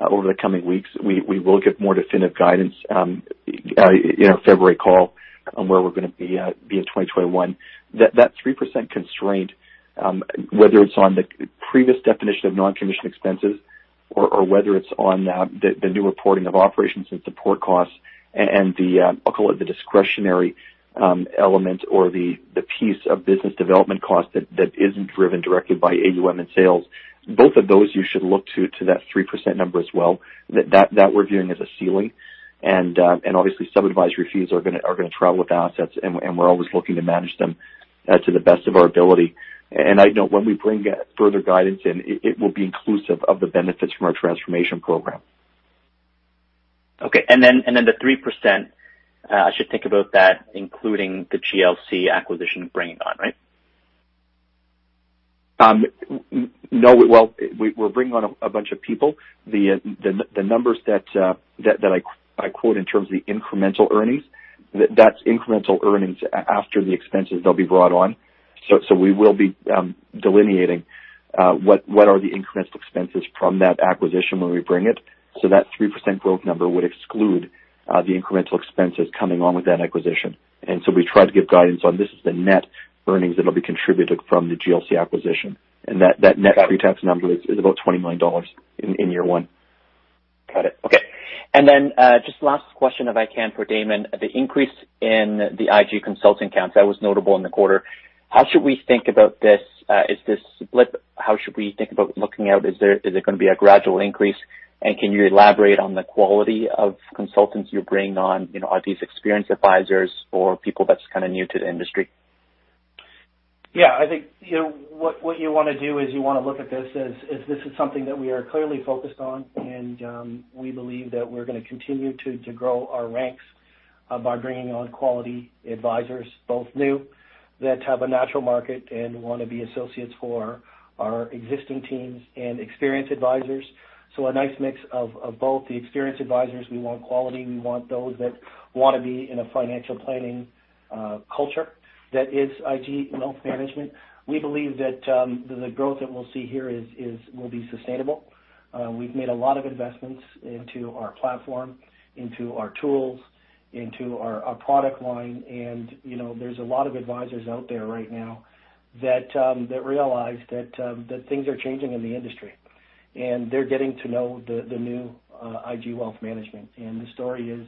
over the coming weeks. We will give more definitive guidance in our February call on where we're gonna be in 2021. That 3% constraint, whether it's on the previous definition of non-commissioned expenses or whether it's on the new reporting of operations and support costs and the, I'll call it the discretionary element or the piece of business development cost that isn't driven directly by AUM and sales. Both of those, you should look to that 3% number as well, that we're viewing as a ceiling. And, and obviously some advisory fees are gonna travel with assets, and we're always looking to manage them to the best of our ability. And I know when we bring further guidance in, it will be inclusive of the benefits from our transformation program. Okay. And then the 3%, I should think about that including the GLC acquisition bringing on, right? Well, we're bringing on a bunch of people. The numbers that I quote in terms of the incremental earnings, that's incremental earnings after the expenses they'll be brought on. So we will be delineating what are the incremental expenses from that acquisition when we bring it. So that 3% growth number would exclude the incremental expenses coming on with that acquisition. And so we tried to give guidance on this is the net earnings that'll be contributed from the GLC acquisition, and that net pre-tax number is about 20 million dollars in year one. Got it. Okay. And then, just last question, if I can, for Damon. The increase in the IG consulting counts, that was notable in the quarter. How should we think about this? Is this split? How should we think about looking out? Is it gonna be a gradual increase? And can you elaborate on the quality of consultants you're bringing on? You know, are these experienced advisors or people that's kind of new to the industry? Yeah, I think, you know, what you wanna do is you wanna look at this as this is something that we are clearly focused on, and we believe that we're gonna continue to grow our ranks by bringing on quality advisors, both new, that have a natural market and want to be associates for our existing teams, and experienced advisors. So a nice mix of both the experienced advisors. We want quality, we want those that want to be in a financial planning culture that is IG Wealth Management. We believe that the growth that we'll see here is will be sustainable. We've made a lot of investments into our platform, into our tools, into our, our product line, and, you know, there's a lot of advisors out there right now that realize that things are changing in the industry. And they're getting to know the, the new IG Wealth Management. And the story is,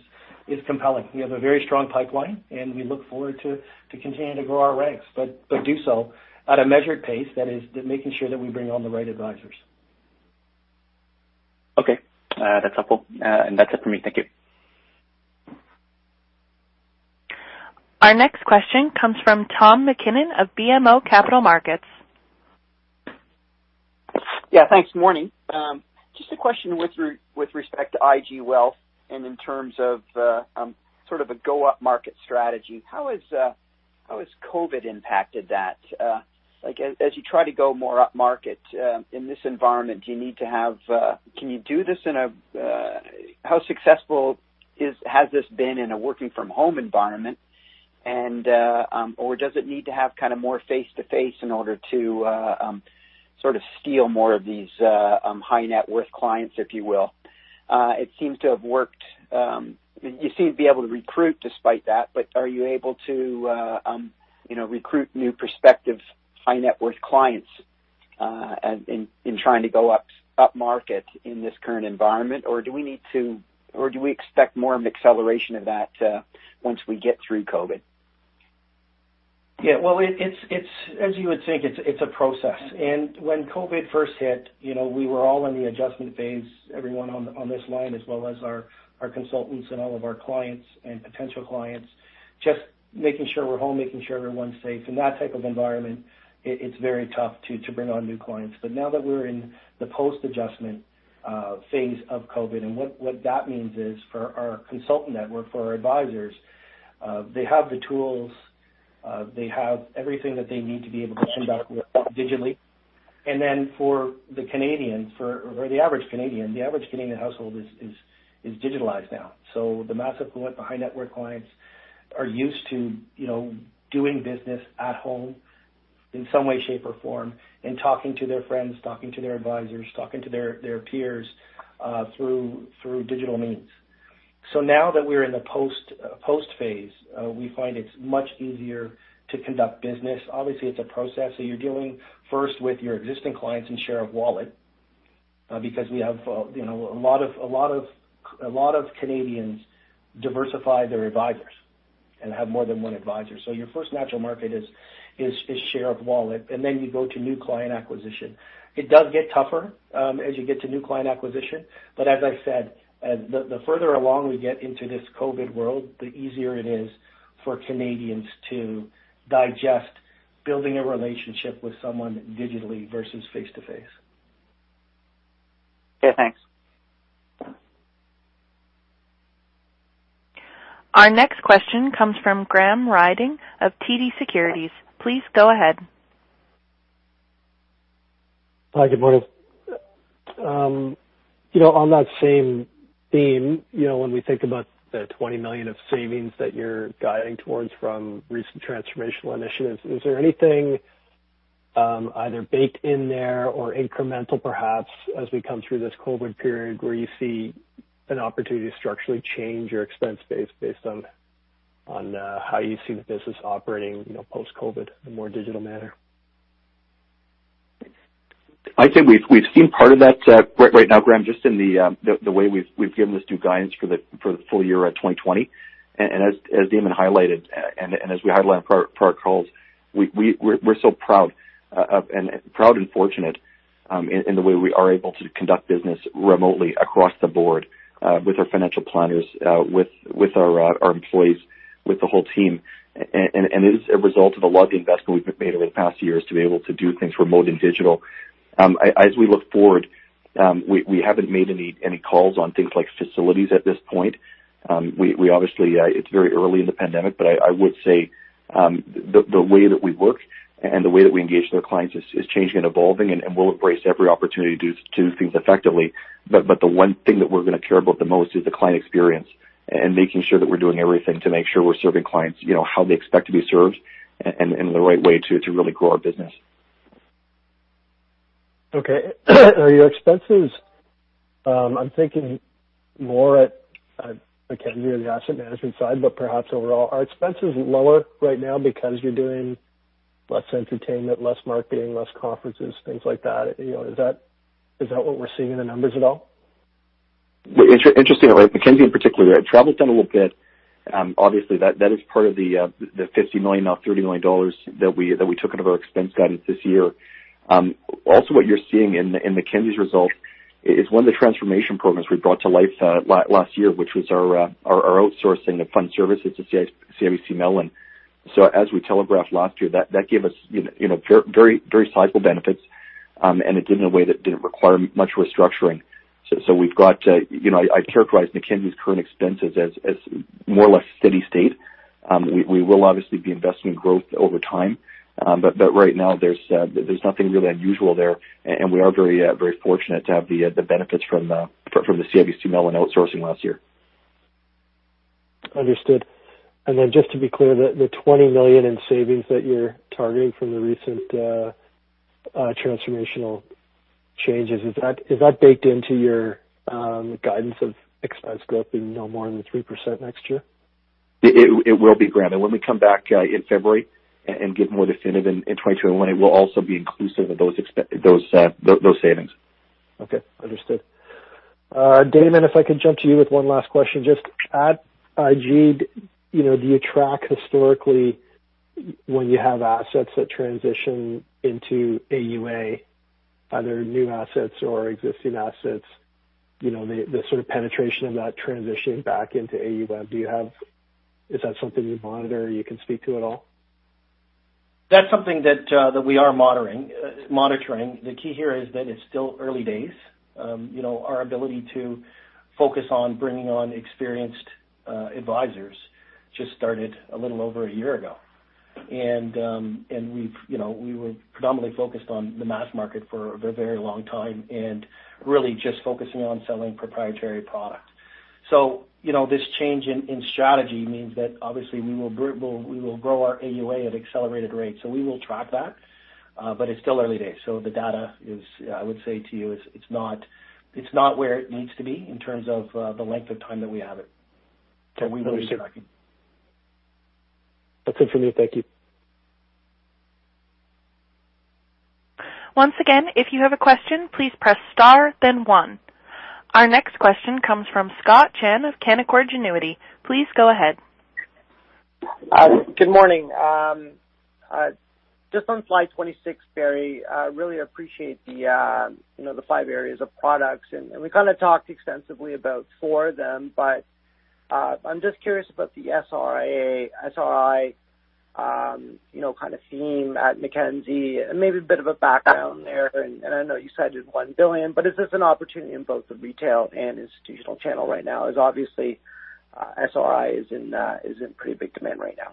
is compelling. We have a very strong pipeline, and we look forward to continuing to grow our ranks, but do so at a measured pace that is making sure that we bring on the right advisors. Okay, that's helpful. That's it for me. Thank you. Our next question comes from Tom MacKinnon of BMO Capital Markets. Yeah, thanks. Morning. Just a question with respect to IG Wealth and in terms of sort of a go upmarket strategy. How has COVID impacted that? Like as you try to go more upmarket in this environment, how successful has this been in a working from home environment? Or does it need to have kind of more face-to-face in order to sort of steal more of these high net worth clients, if you will? It seems to have worked, you seem to be able to recruit despite that, but are you able to, you know, recruit new prospective high net worth clients in trying to go upmarket in this current environment? Or do we need to, or do we expect more of an acceleration of that, once we get through COVID? Yeah, well, it's as you would think, it's a process. And when COVID first hit, you know, we were all in the adjustment phase, everyone on this line, as well as our consultants and all of our clients and potential clients, just making sure we're home, making sure everyone's safe. In that type of environment, it's very tough to bring on new clients. But now that we're in the post-adjustment phase of COVID, and what that means is for our consultant network, for our advisors, they have the tools, they have everything that they need to be able to conduct work digitally. And then for the Canadians, for the average Canadian, the average Canadian household is digitalized now. So the mass affluent high net worth clients are used to, you know, doing business at home in some way, shape, or form, and talking to their friends, talking to their advisors, talking to their peers through digital means. So now that we're in the post phase, we find it's much easier to conduct business. Obviously, it's a process, so you're dealing first with your existing clients and share of wallet, because we have, you know, a lot of, a lot of, a lot of Canadians diversify their advisors and have more than one advisor. So your first natural market is share of wallet, and then you go to new client acquisition. It does get tougher, as you get to new client acquisition, but as I said, the further along we get into this COVID world, the easier it is for Canadians to digest building a relationship with someone digitally versus face-to-face. Okay, thanks. Our next question comes from Graham Ryding of TD Securities. Please go ahead. Hi, good morning. You know, on that same theme, you know, when we think about the 20 million of savings that you're guiding towards from recent transformational initiatives, is there anything, either baked in there or incremental, perhaps, as we come through this COVID period, where you see an opportunity to structurally change your expense base based on, on, how you see the business operating, you know, post-COVID in a more digital manner? I'd say we've seen part of that right now, Graham, just in the way we've given this new guidance for the full year at 2020. And as Damon highlighted, and as we highlight on prior calls, we're so proud and fortunate in the way we are able to conduct business remotely across the board with our financial planners with our employees with the whole team. And it is a result of a lot of the investment we've made over the past years to be able to do things remote and digital. As we look forward, we haven't made any calls on things like facilities at this point. We obviously, it's very early in the pandemic, but I would say, the way that we work and the way that we engage with our clients is changing and evolving, and we'll embrace every opportunity to do things effectively. But the one thing that we're going to care about the most is the client experience, and making sure that we're doing everything to make sure we're serving clients, you know, how they expect to be served and in the right way to really grow our business. Okay. Are your expenses, I'm thinking more at Mackenzie, on the asset management side, but perhaps overall, are expenses lower right now because you're doing less entertainment, less marketing, less conferences, things like that? You know, is that what we're seeing in the numbers at all? Well, it's interesting, right, Mackenzie in particular, travel's down a little bit. Obviously, that is part of the 50 million, now 30 million dollars that we took out of our expense guidance this year. Also, what you're seeing in the Mackenzie's result is one of the transformation programs we brought to life last year, which was our outsourcing of fund services to CIBC Mellon. So as we telegraphed last year, that gave us, you know, very sizable benefits, and it did in a way that didn't require much restructuring. So we've got, you know, I'd characterize Mackenzie's current expenses as more or less steady state. We will obviously be investing in growth over time, but right now there's nothing really unusual there, and we are very fortunate to have the benefits from the CIBC Mellon outsourcing last year. Understood. Then just to be clear, the 20 million in savings that you're targeting from the recent transformational changes, is that baked into your guidance of expense growth being no more than 3% next year? It will be, Graham, and when we come back in February and give more definitive in 2021, it will also be inclusive of those savings. Okay, understood. Damon, if I could jump to you with one last question. Just at IG, you know, do you track historically when you have assets that transition into AUA, either new assets or existing assets, you know, the sort of penetration of that transition back into AUM? Do you have... Is that something you monitor or you can speak to at all? ... That's something that, that we are monitoring, monitoring. The key here is that it's still early days. You know, our ability to focus on bringing on experienced, advisors just started a little over a year ago. And, and we've, you know, we were predominantly focused on the mass market for a very long time and really just focusing on selling proprietary products. So, you know, this change in strategy means that obviously we will grow, we will grow our AUA at accelerated rates, so we will track that, but it's still early days. So the data is, I would say to you, is it's not, it's not where it needs to be in terms of, the length of time that we have it. But we will be tracking. That's it for me. Thank you. Once again, if you have a question, please press star, then one. Our next question comes from Scott Chan of Canaccord Genuity. Please go ahead. Good morning. Just on Slide 26, Barry, I really appreciate the, you know, the five areas of products, and we kind of talked extensively about four of them, but I'm just curious about the SRIA, SRI, you know, kind of theme at Mackenzie, and maybe a bit of a background there. I know you said you had 1 billion, but is this an opportunity in both the retail and institutional channel right now? Because obviously, SRI is in pretty big demand right now.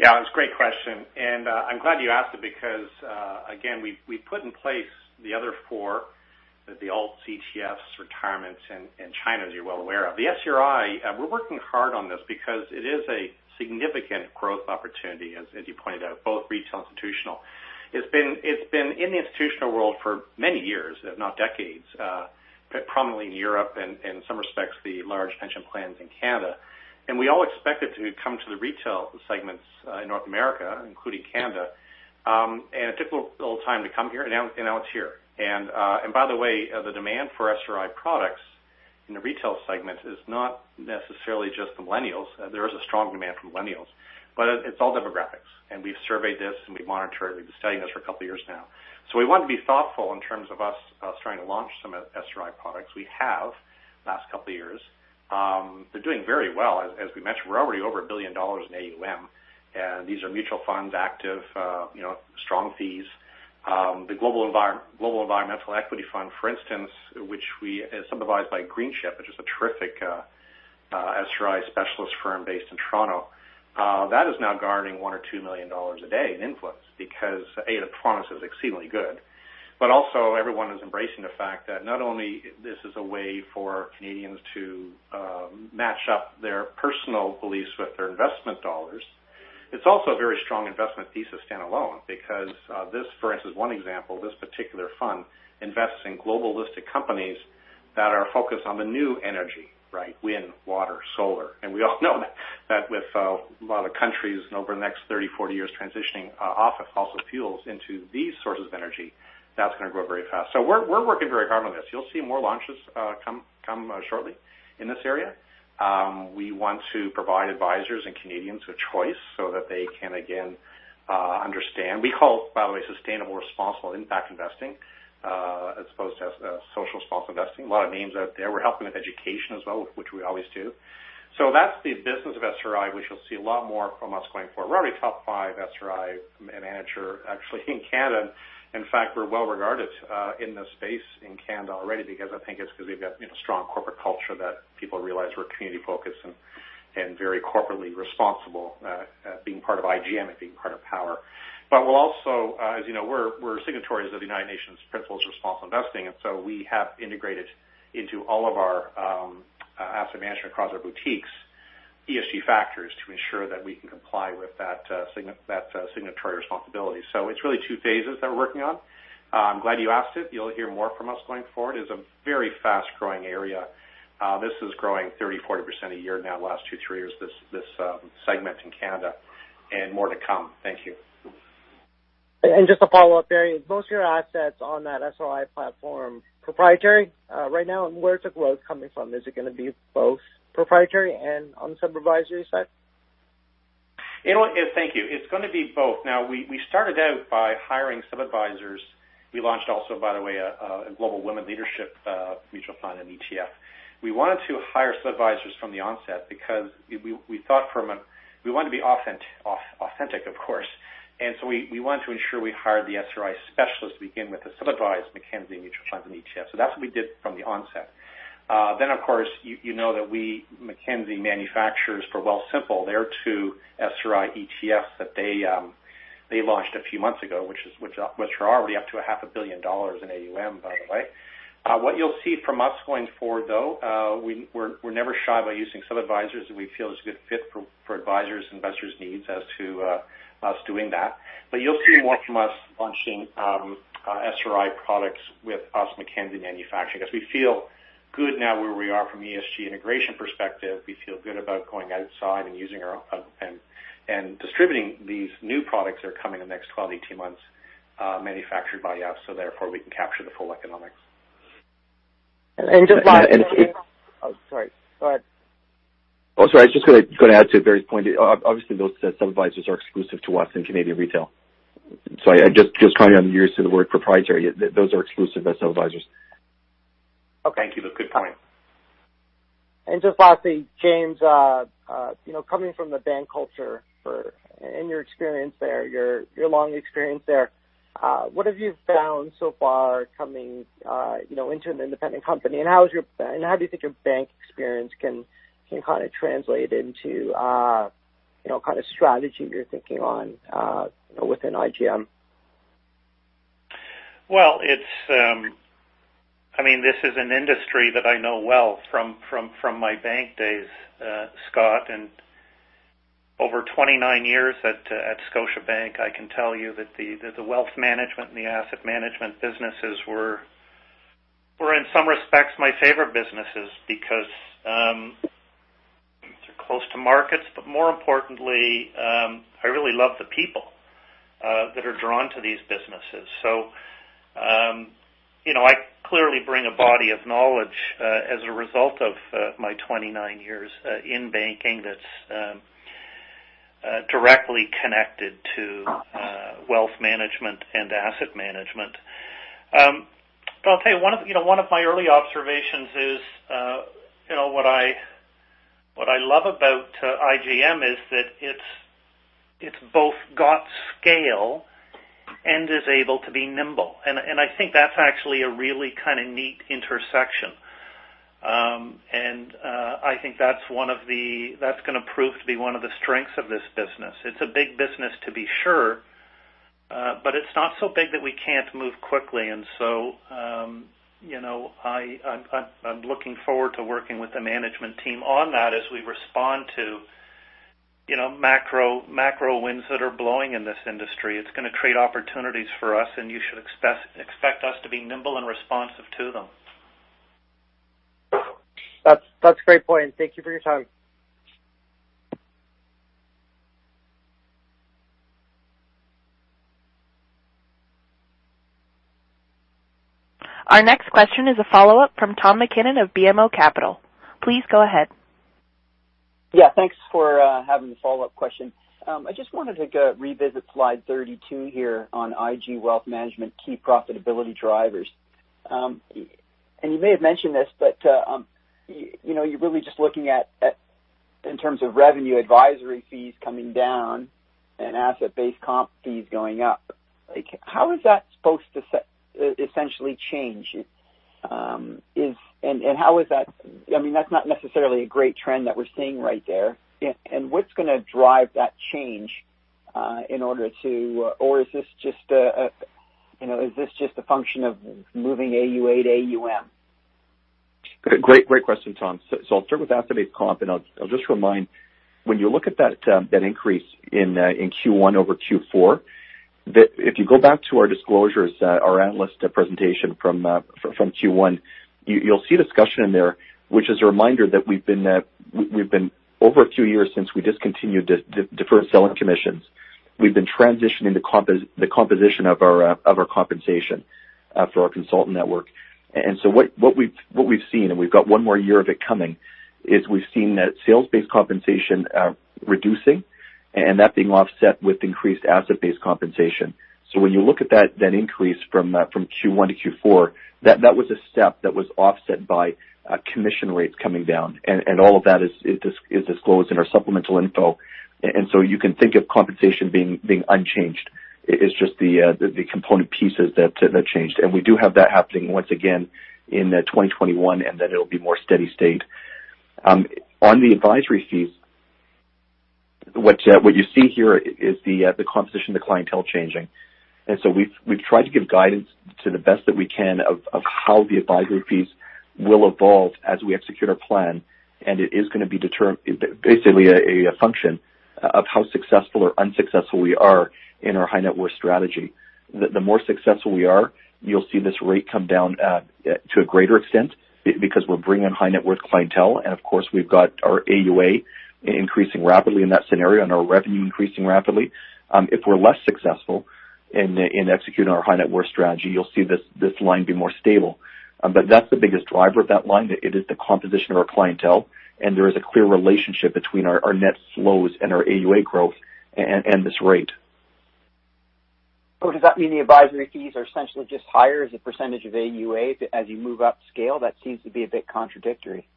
Yeah, it's a great question, and I'm glad you asked it because, again, we, we put in place the other four, the Alts, ETFs, retirements and, and China, as you're well aware of. The SRI, we're working hard on this because it is a significant growth opportunity, as, as you pointed out, both retail and institutional. It's been, it's been in the institutional world for many years, if not decades, prominently in Europe and in some respects, the large pension plans in Canada. And we all expect it to come to the retail segments, in North America, including Canada. And it took a little time to come here, and now, and now it's here. And, and by the way, the demand for SRI products in the retail segment is not necessarily just millennials. There is a strong demand from millennials, but it's all demographics, and we've surveyed this, and we monitor it. We've been studying this for a couple of years now. So we want to be thoughtful in terms of us, us trying to launch some SRI products. We have the last couple of years. They're doing very well. As, as we mentioned, we're already over 1 billion dollars in AUM, and these are mutual funds, active, you know, strong fees. The Global Environmental Equity Fund, for instance, which we sub-advised by Greenchip, which is a terrific SRI specialist firm based in Toronto, that is now garnering $1 million-$2 million a day in inflows because, A, the performance is exceedingly good, but also everyone is embracing the fact that not only this is a way for Canadians to match up their personal beliefs with their investment dollars, it's also a very strong investment thesis standalone because, this, for instance, one example, this particular fund invests in global listed companies that are focused on the new energy, right? Wind, water, solar. And we all know that with a lot of countries over the next 30, 40 years transitioning off of fossil fuels into these sources of energy, that's going to grow very fast. So we're working very hard on this. You'll see more launches come shortly in this area. We want to provide advisors and Canadians with choice so that they can again understand. We call it, by the way, sustainable, responsible impact investing, as opposed to socially responsible investing. A lot of names out there. We're helping with education as well, which we always do. So that's the business of SRI, which you'll see a lot more from us going forward. We're already top five SRI manager actually in Canada. In fact, we're well regarded in this space in Canada already because I think it's because we've got a strong corporate culture that people realize we're community focused and very corporately responsible, being part of IGM and being part of Power. But we'll also, as you know, we're signatories of the United Nations Principles of Responsible Investing, and so we have integrated into all of our, asset management across our boutiques, ESG factors to ensure that we can comply with that, that signatory responsibility. So it's really two phases that we're working on. I'm glad you asked it. You'll hear more from us going forward. It's a very fast-growing area. This is growing 30%-40% a year now, the last two, three years, this segment in Canada, and more to come. Thank you. Just a follow-up, Barry. Most of your assets on that SRI platform proprietary, right now, and where is the growth coming from? Is it going to be both proprietary and on the supervisory side? You know what? Thank you. It's going to be both. Now, we started out by hiring sub-advisors. We launched also, by the way, a Global Women's Leadership mutual fund and ETF. We wanted to hire sub-advisors from the onset because we thought from a, we wanted to be authentic, of course. And so we wanted to ensure we hired the SRI specialists to begin with, to sub-advise Mackenzie Mutual Funds and ETFs. So that's what we did from the onset. Then, of course, you know that we, Mackenzie manufacture for Wealthsimple, their two SRI ETFs that they launched a few months ago, which are already up to 500 million dollars in AUM, by the way. What you'll see from us going forward, though, we're never shy about using sub-advisors, and we feel it's a good fit for advisors' investors' needs as to us doing that. But you'll see more from us launching SRI products with us, Mackenzie manufacturing, as we feel good now where we are from an ESG integration perspective. We feel good about going outside and using our own and distributing these new products that are coming in the next 12-18 months, manufactured by us, so therefore, we can capture the full economics. And just by- And it's- Oh, sorry. Go ahead. Oh, sorry. I was just going to add to Barry's point. Obviously, those sub-advisors are exclusive to us in Canadian retail. So I just trying to use the word proprietary. Those are exclusive sub-advisors. Okay. Thank you. Good comment.... And just lastly, James, you know, coming from the bank culture for, in your experience there, your, your long experience there, what have you found so far coming, you know, into an independent company? And how is your- and how do you think your bank experience can, can kind of translate into, you know, kind of strategy you're thinking on, within IGM? Well, it's, I mean, this is an industry that I know well from my bank days, Scott, and over 29 years at Scotiabank, I can tell you that the wealth management and the asset management businesses were in some respects my favorite businesses because, they're close to markets, but more importantly, I really love the people that are drawn to these businesses. So, you know, I clearly bring a body of knowledge as a result of my 29 years in banking that's directly connected to wealth management and asset management. But I'll tell you, one of, you know, one of my early observations is, you know, what I, what I love about, IGM is that it's, it's both got scale and is able to be nimble, and, and I think that's actually a really kind of neat intersection. I think that's gonna prove to be one of the strengths of this business. It's a big business to be sure, but it's not so big that we can't move quickly. I'm looking forward to working with the management team on that as we respond to, you know, macro, macro winds that are blowing in this industry. It's gonna create opportunities for us, and you should expect us to be nimble and responsive to them. That's, that's a great point, and thank you for your time. Our next question is a follow-up from Tom MacKinnon of BMO Capital. Please go ahead. Yeah, thanks for having the follow-up question. I just wanted to revisit Slide 32 here on IG Wealth Management key profitability drivers. And you may have mentioned this, but you know, you're really just looking at in terms of revenue advisory fees coming down and asset-based comp fees going up. Like, how is that supposed to essentially change? And how is that... I mean, that's not necessarily a great trend that we're seeing right there. Yeah, and what's gonna drive that change, or is this just a, you know, is this just a function of moving AUA to AUM? Great, great question, Tom. So I'll start with asset-based comp, and I'll just remind, when you look at that increase in Q1 over Q4, if you go back to our disclosures, our analyst presentation from Q1, you'll see a discussion in there, which is a reminder that we've been over a few years since we discontinued the deferred selling commissions. We've been transitioning the composition of our compensation for our consultant network. And so what we've seen, and we've got one more year of it coming, is we've seen that sales-based compensation reducing, and that being offset with increased asset-based compensation. So when you look at that, that increase from Q1 to Q4, that was a step that was offset by commission rates coming down, and all of that is disclosed in our supplemental info. And so you can think of compensation being unchanged. It is just the component pieces that changed. And we do have that happening once again in 2021, and then it'll be more steady state. On the advisory fees, what you see here is the composition of the clientele changing. And so we've tried to give guidance to the best that we can of how the advisory fees will evolve as we execute our plan, and it is gonna be basically a function of how successful or unsuccessful we are in our high net worth strategy. The more successful we are, you'll see this rate come down to a greater extent because we're bringing high net worth clientele, and of course, we've got our AUA increasing rapidly in that scenario, and our revenue increasing rapidly. If we're less successful in executing our high net worth strategy, you'll see this line be more stable. But that's the biggest driver of that line. It is the composition of our clientele, and there is a clear relationship between our net flows and our AUA growth and this rate. Does that mean the advisory fees are essentially just higher as a percentage of AUA as you move upscale? That seems to be a bit contradictory.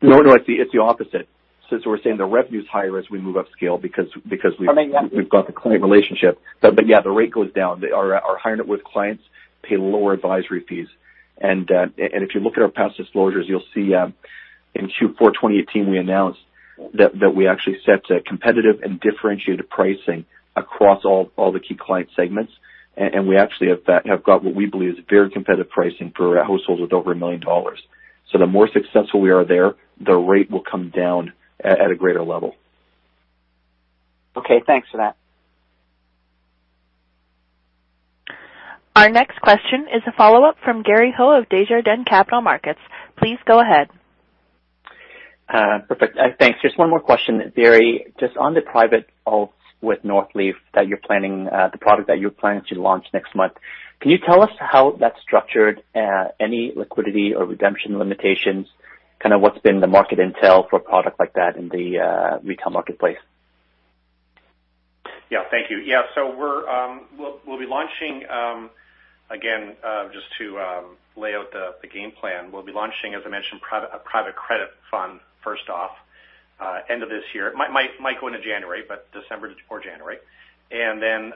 No, no, it's the opposite. Since we're saying the revenue's higher as we move up scale, because we've- I mean, yeah-... we've got the client relationship. But yeah, the rate goes down. Our higher net worth clients pay lower advisory fees. And if you look at our past disclosures, you'll see, in Q4 2018, we announced that we actually set a competitive and differentiated pricing across all the key client segments, and we actually have got what we believe is very competitive pricing for households with over 1 million dollars. So the more successful we are there, the rate will come down at a greater level. Okay, thanks for that. Our next question is a follow-up from Gary Ho of Desjardins Capital Markets. Please go ahead. Perfect. Thanks. Just one more question, Barry. Just on the private alts with Northleaf, that you're planning, the product that you're planning to launch next month, can you tell us how that's structured, any liquidity or redemption limitations? Kind of what's been the market intel for a product like that in the retail marketplace?... Yeah, thank you. Yeah, so we're, we'll be launching, again, just to lay out the game plan. We'll be launching, as I mentioned, a private credit fund, first off, end of this year. It might go into January, but December or January. And then,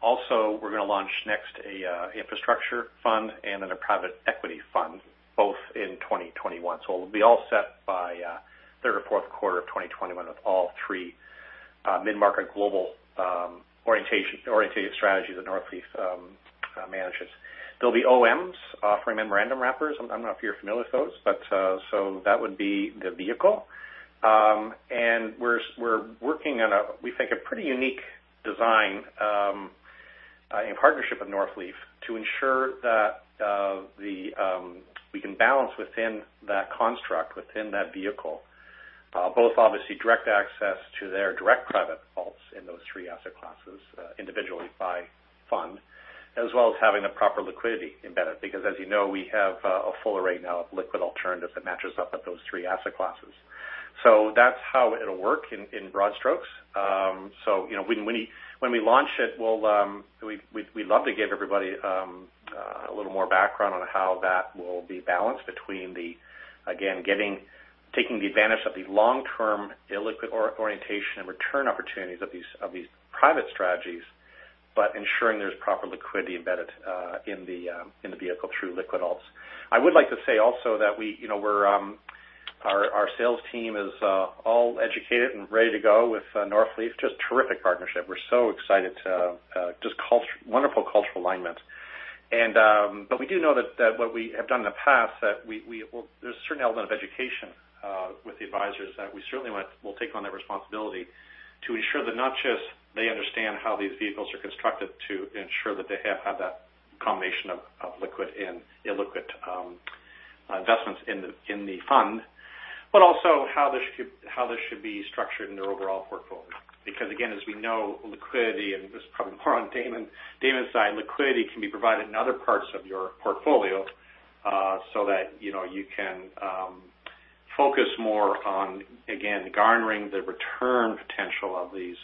also we're gonna launch next a infrastructure fund and then a private equity fund, both in 2021. So we'll be all set by third or fourth quarter of 2021 with all three, mid-market global orientation orientated strategies that Northleaf manages. There'll be OMs, offering memorandum wrappers. I'm not sure if you're familiar with those, but so that would be the vehicle. And we're working on a, we think, a pretty unique design in partnership with Northleaf to ensure that we can balance within that construct, within that vehicle, both obviously direct access to their direct private alts in those three asset classes individually by fund, as well as having the proper liquidity embedded. Because as you know, we have a full array now of liquid alternatives that matches up with those three asset classes. So that's how it'll work in broad strokes. So, you know, when we launch it, we'll, we love to give everybody a little more background on how that will be balanced between the, again, getting... Taking the advantage of the long-term illiquid or orientation and return opportunities of these private strategies, but ensuring there's proper liquidity embedded in the vehicle through liquid alts. I would like to say also that we, you know, our sales team is all educated and ready to go with Northleaf. Just terrific partnership. We're so excited to just culture - wonderful cultural alignment. But we do know that what we have done in the past, well, there's a certain element of education with the advisors, that we certainly want, we'll take on that responsibility to ensure that not just they understand how these vehicles are constructed, to ensure that they have had that combination of liquid and illiquid investments in the fund, but also how this should be structured in their overall portfolio. Because, again, as we know, liquidity, and this is probably more on Damon, Damon's side, liquidity can be provided in other parts of your portfolio, so that, you know, you can focus more on, again, garnering the return potential of these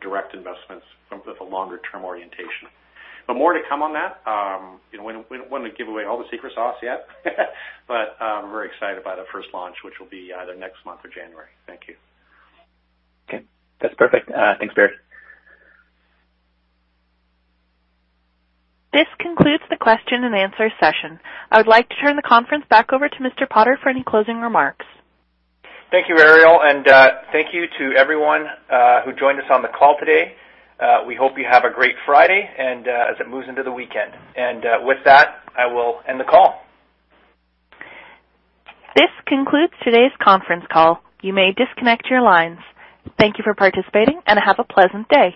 direct investments with a longer term orientation. But more to come on that. You know, we don't want to give away all the secret sauce yet, but we're very excited by the first launch, which will be either next month or January. Thank you. Okay, that's perfect. Thanks, Barry. This concludes the question and answer session. I would like to turn the conference back over to Mr. Potter for any closing remarks. Thank you, Ariel, and thank you to everyone who joined us on the call today. We hope you have a great Friday and as it moves into the weekend. With that, I will end the call. This concludes today's conference call. You may disconnect your lines. Thank you for participating and have a pleasant day.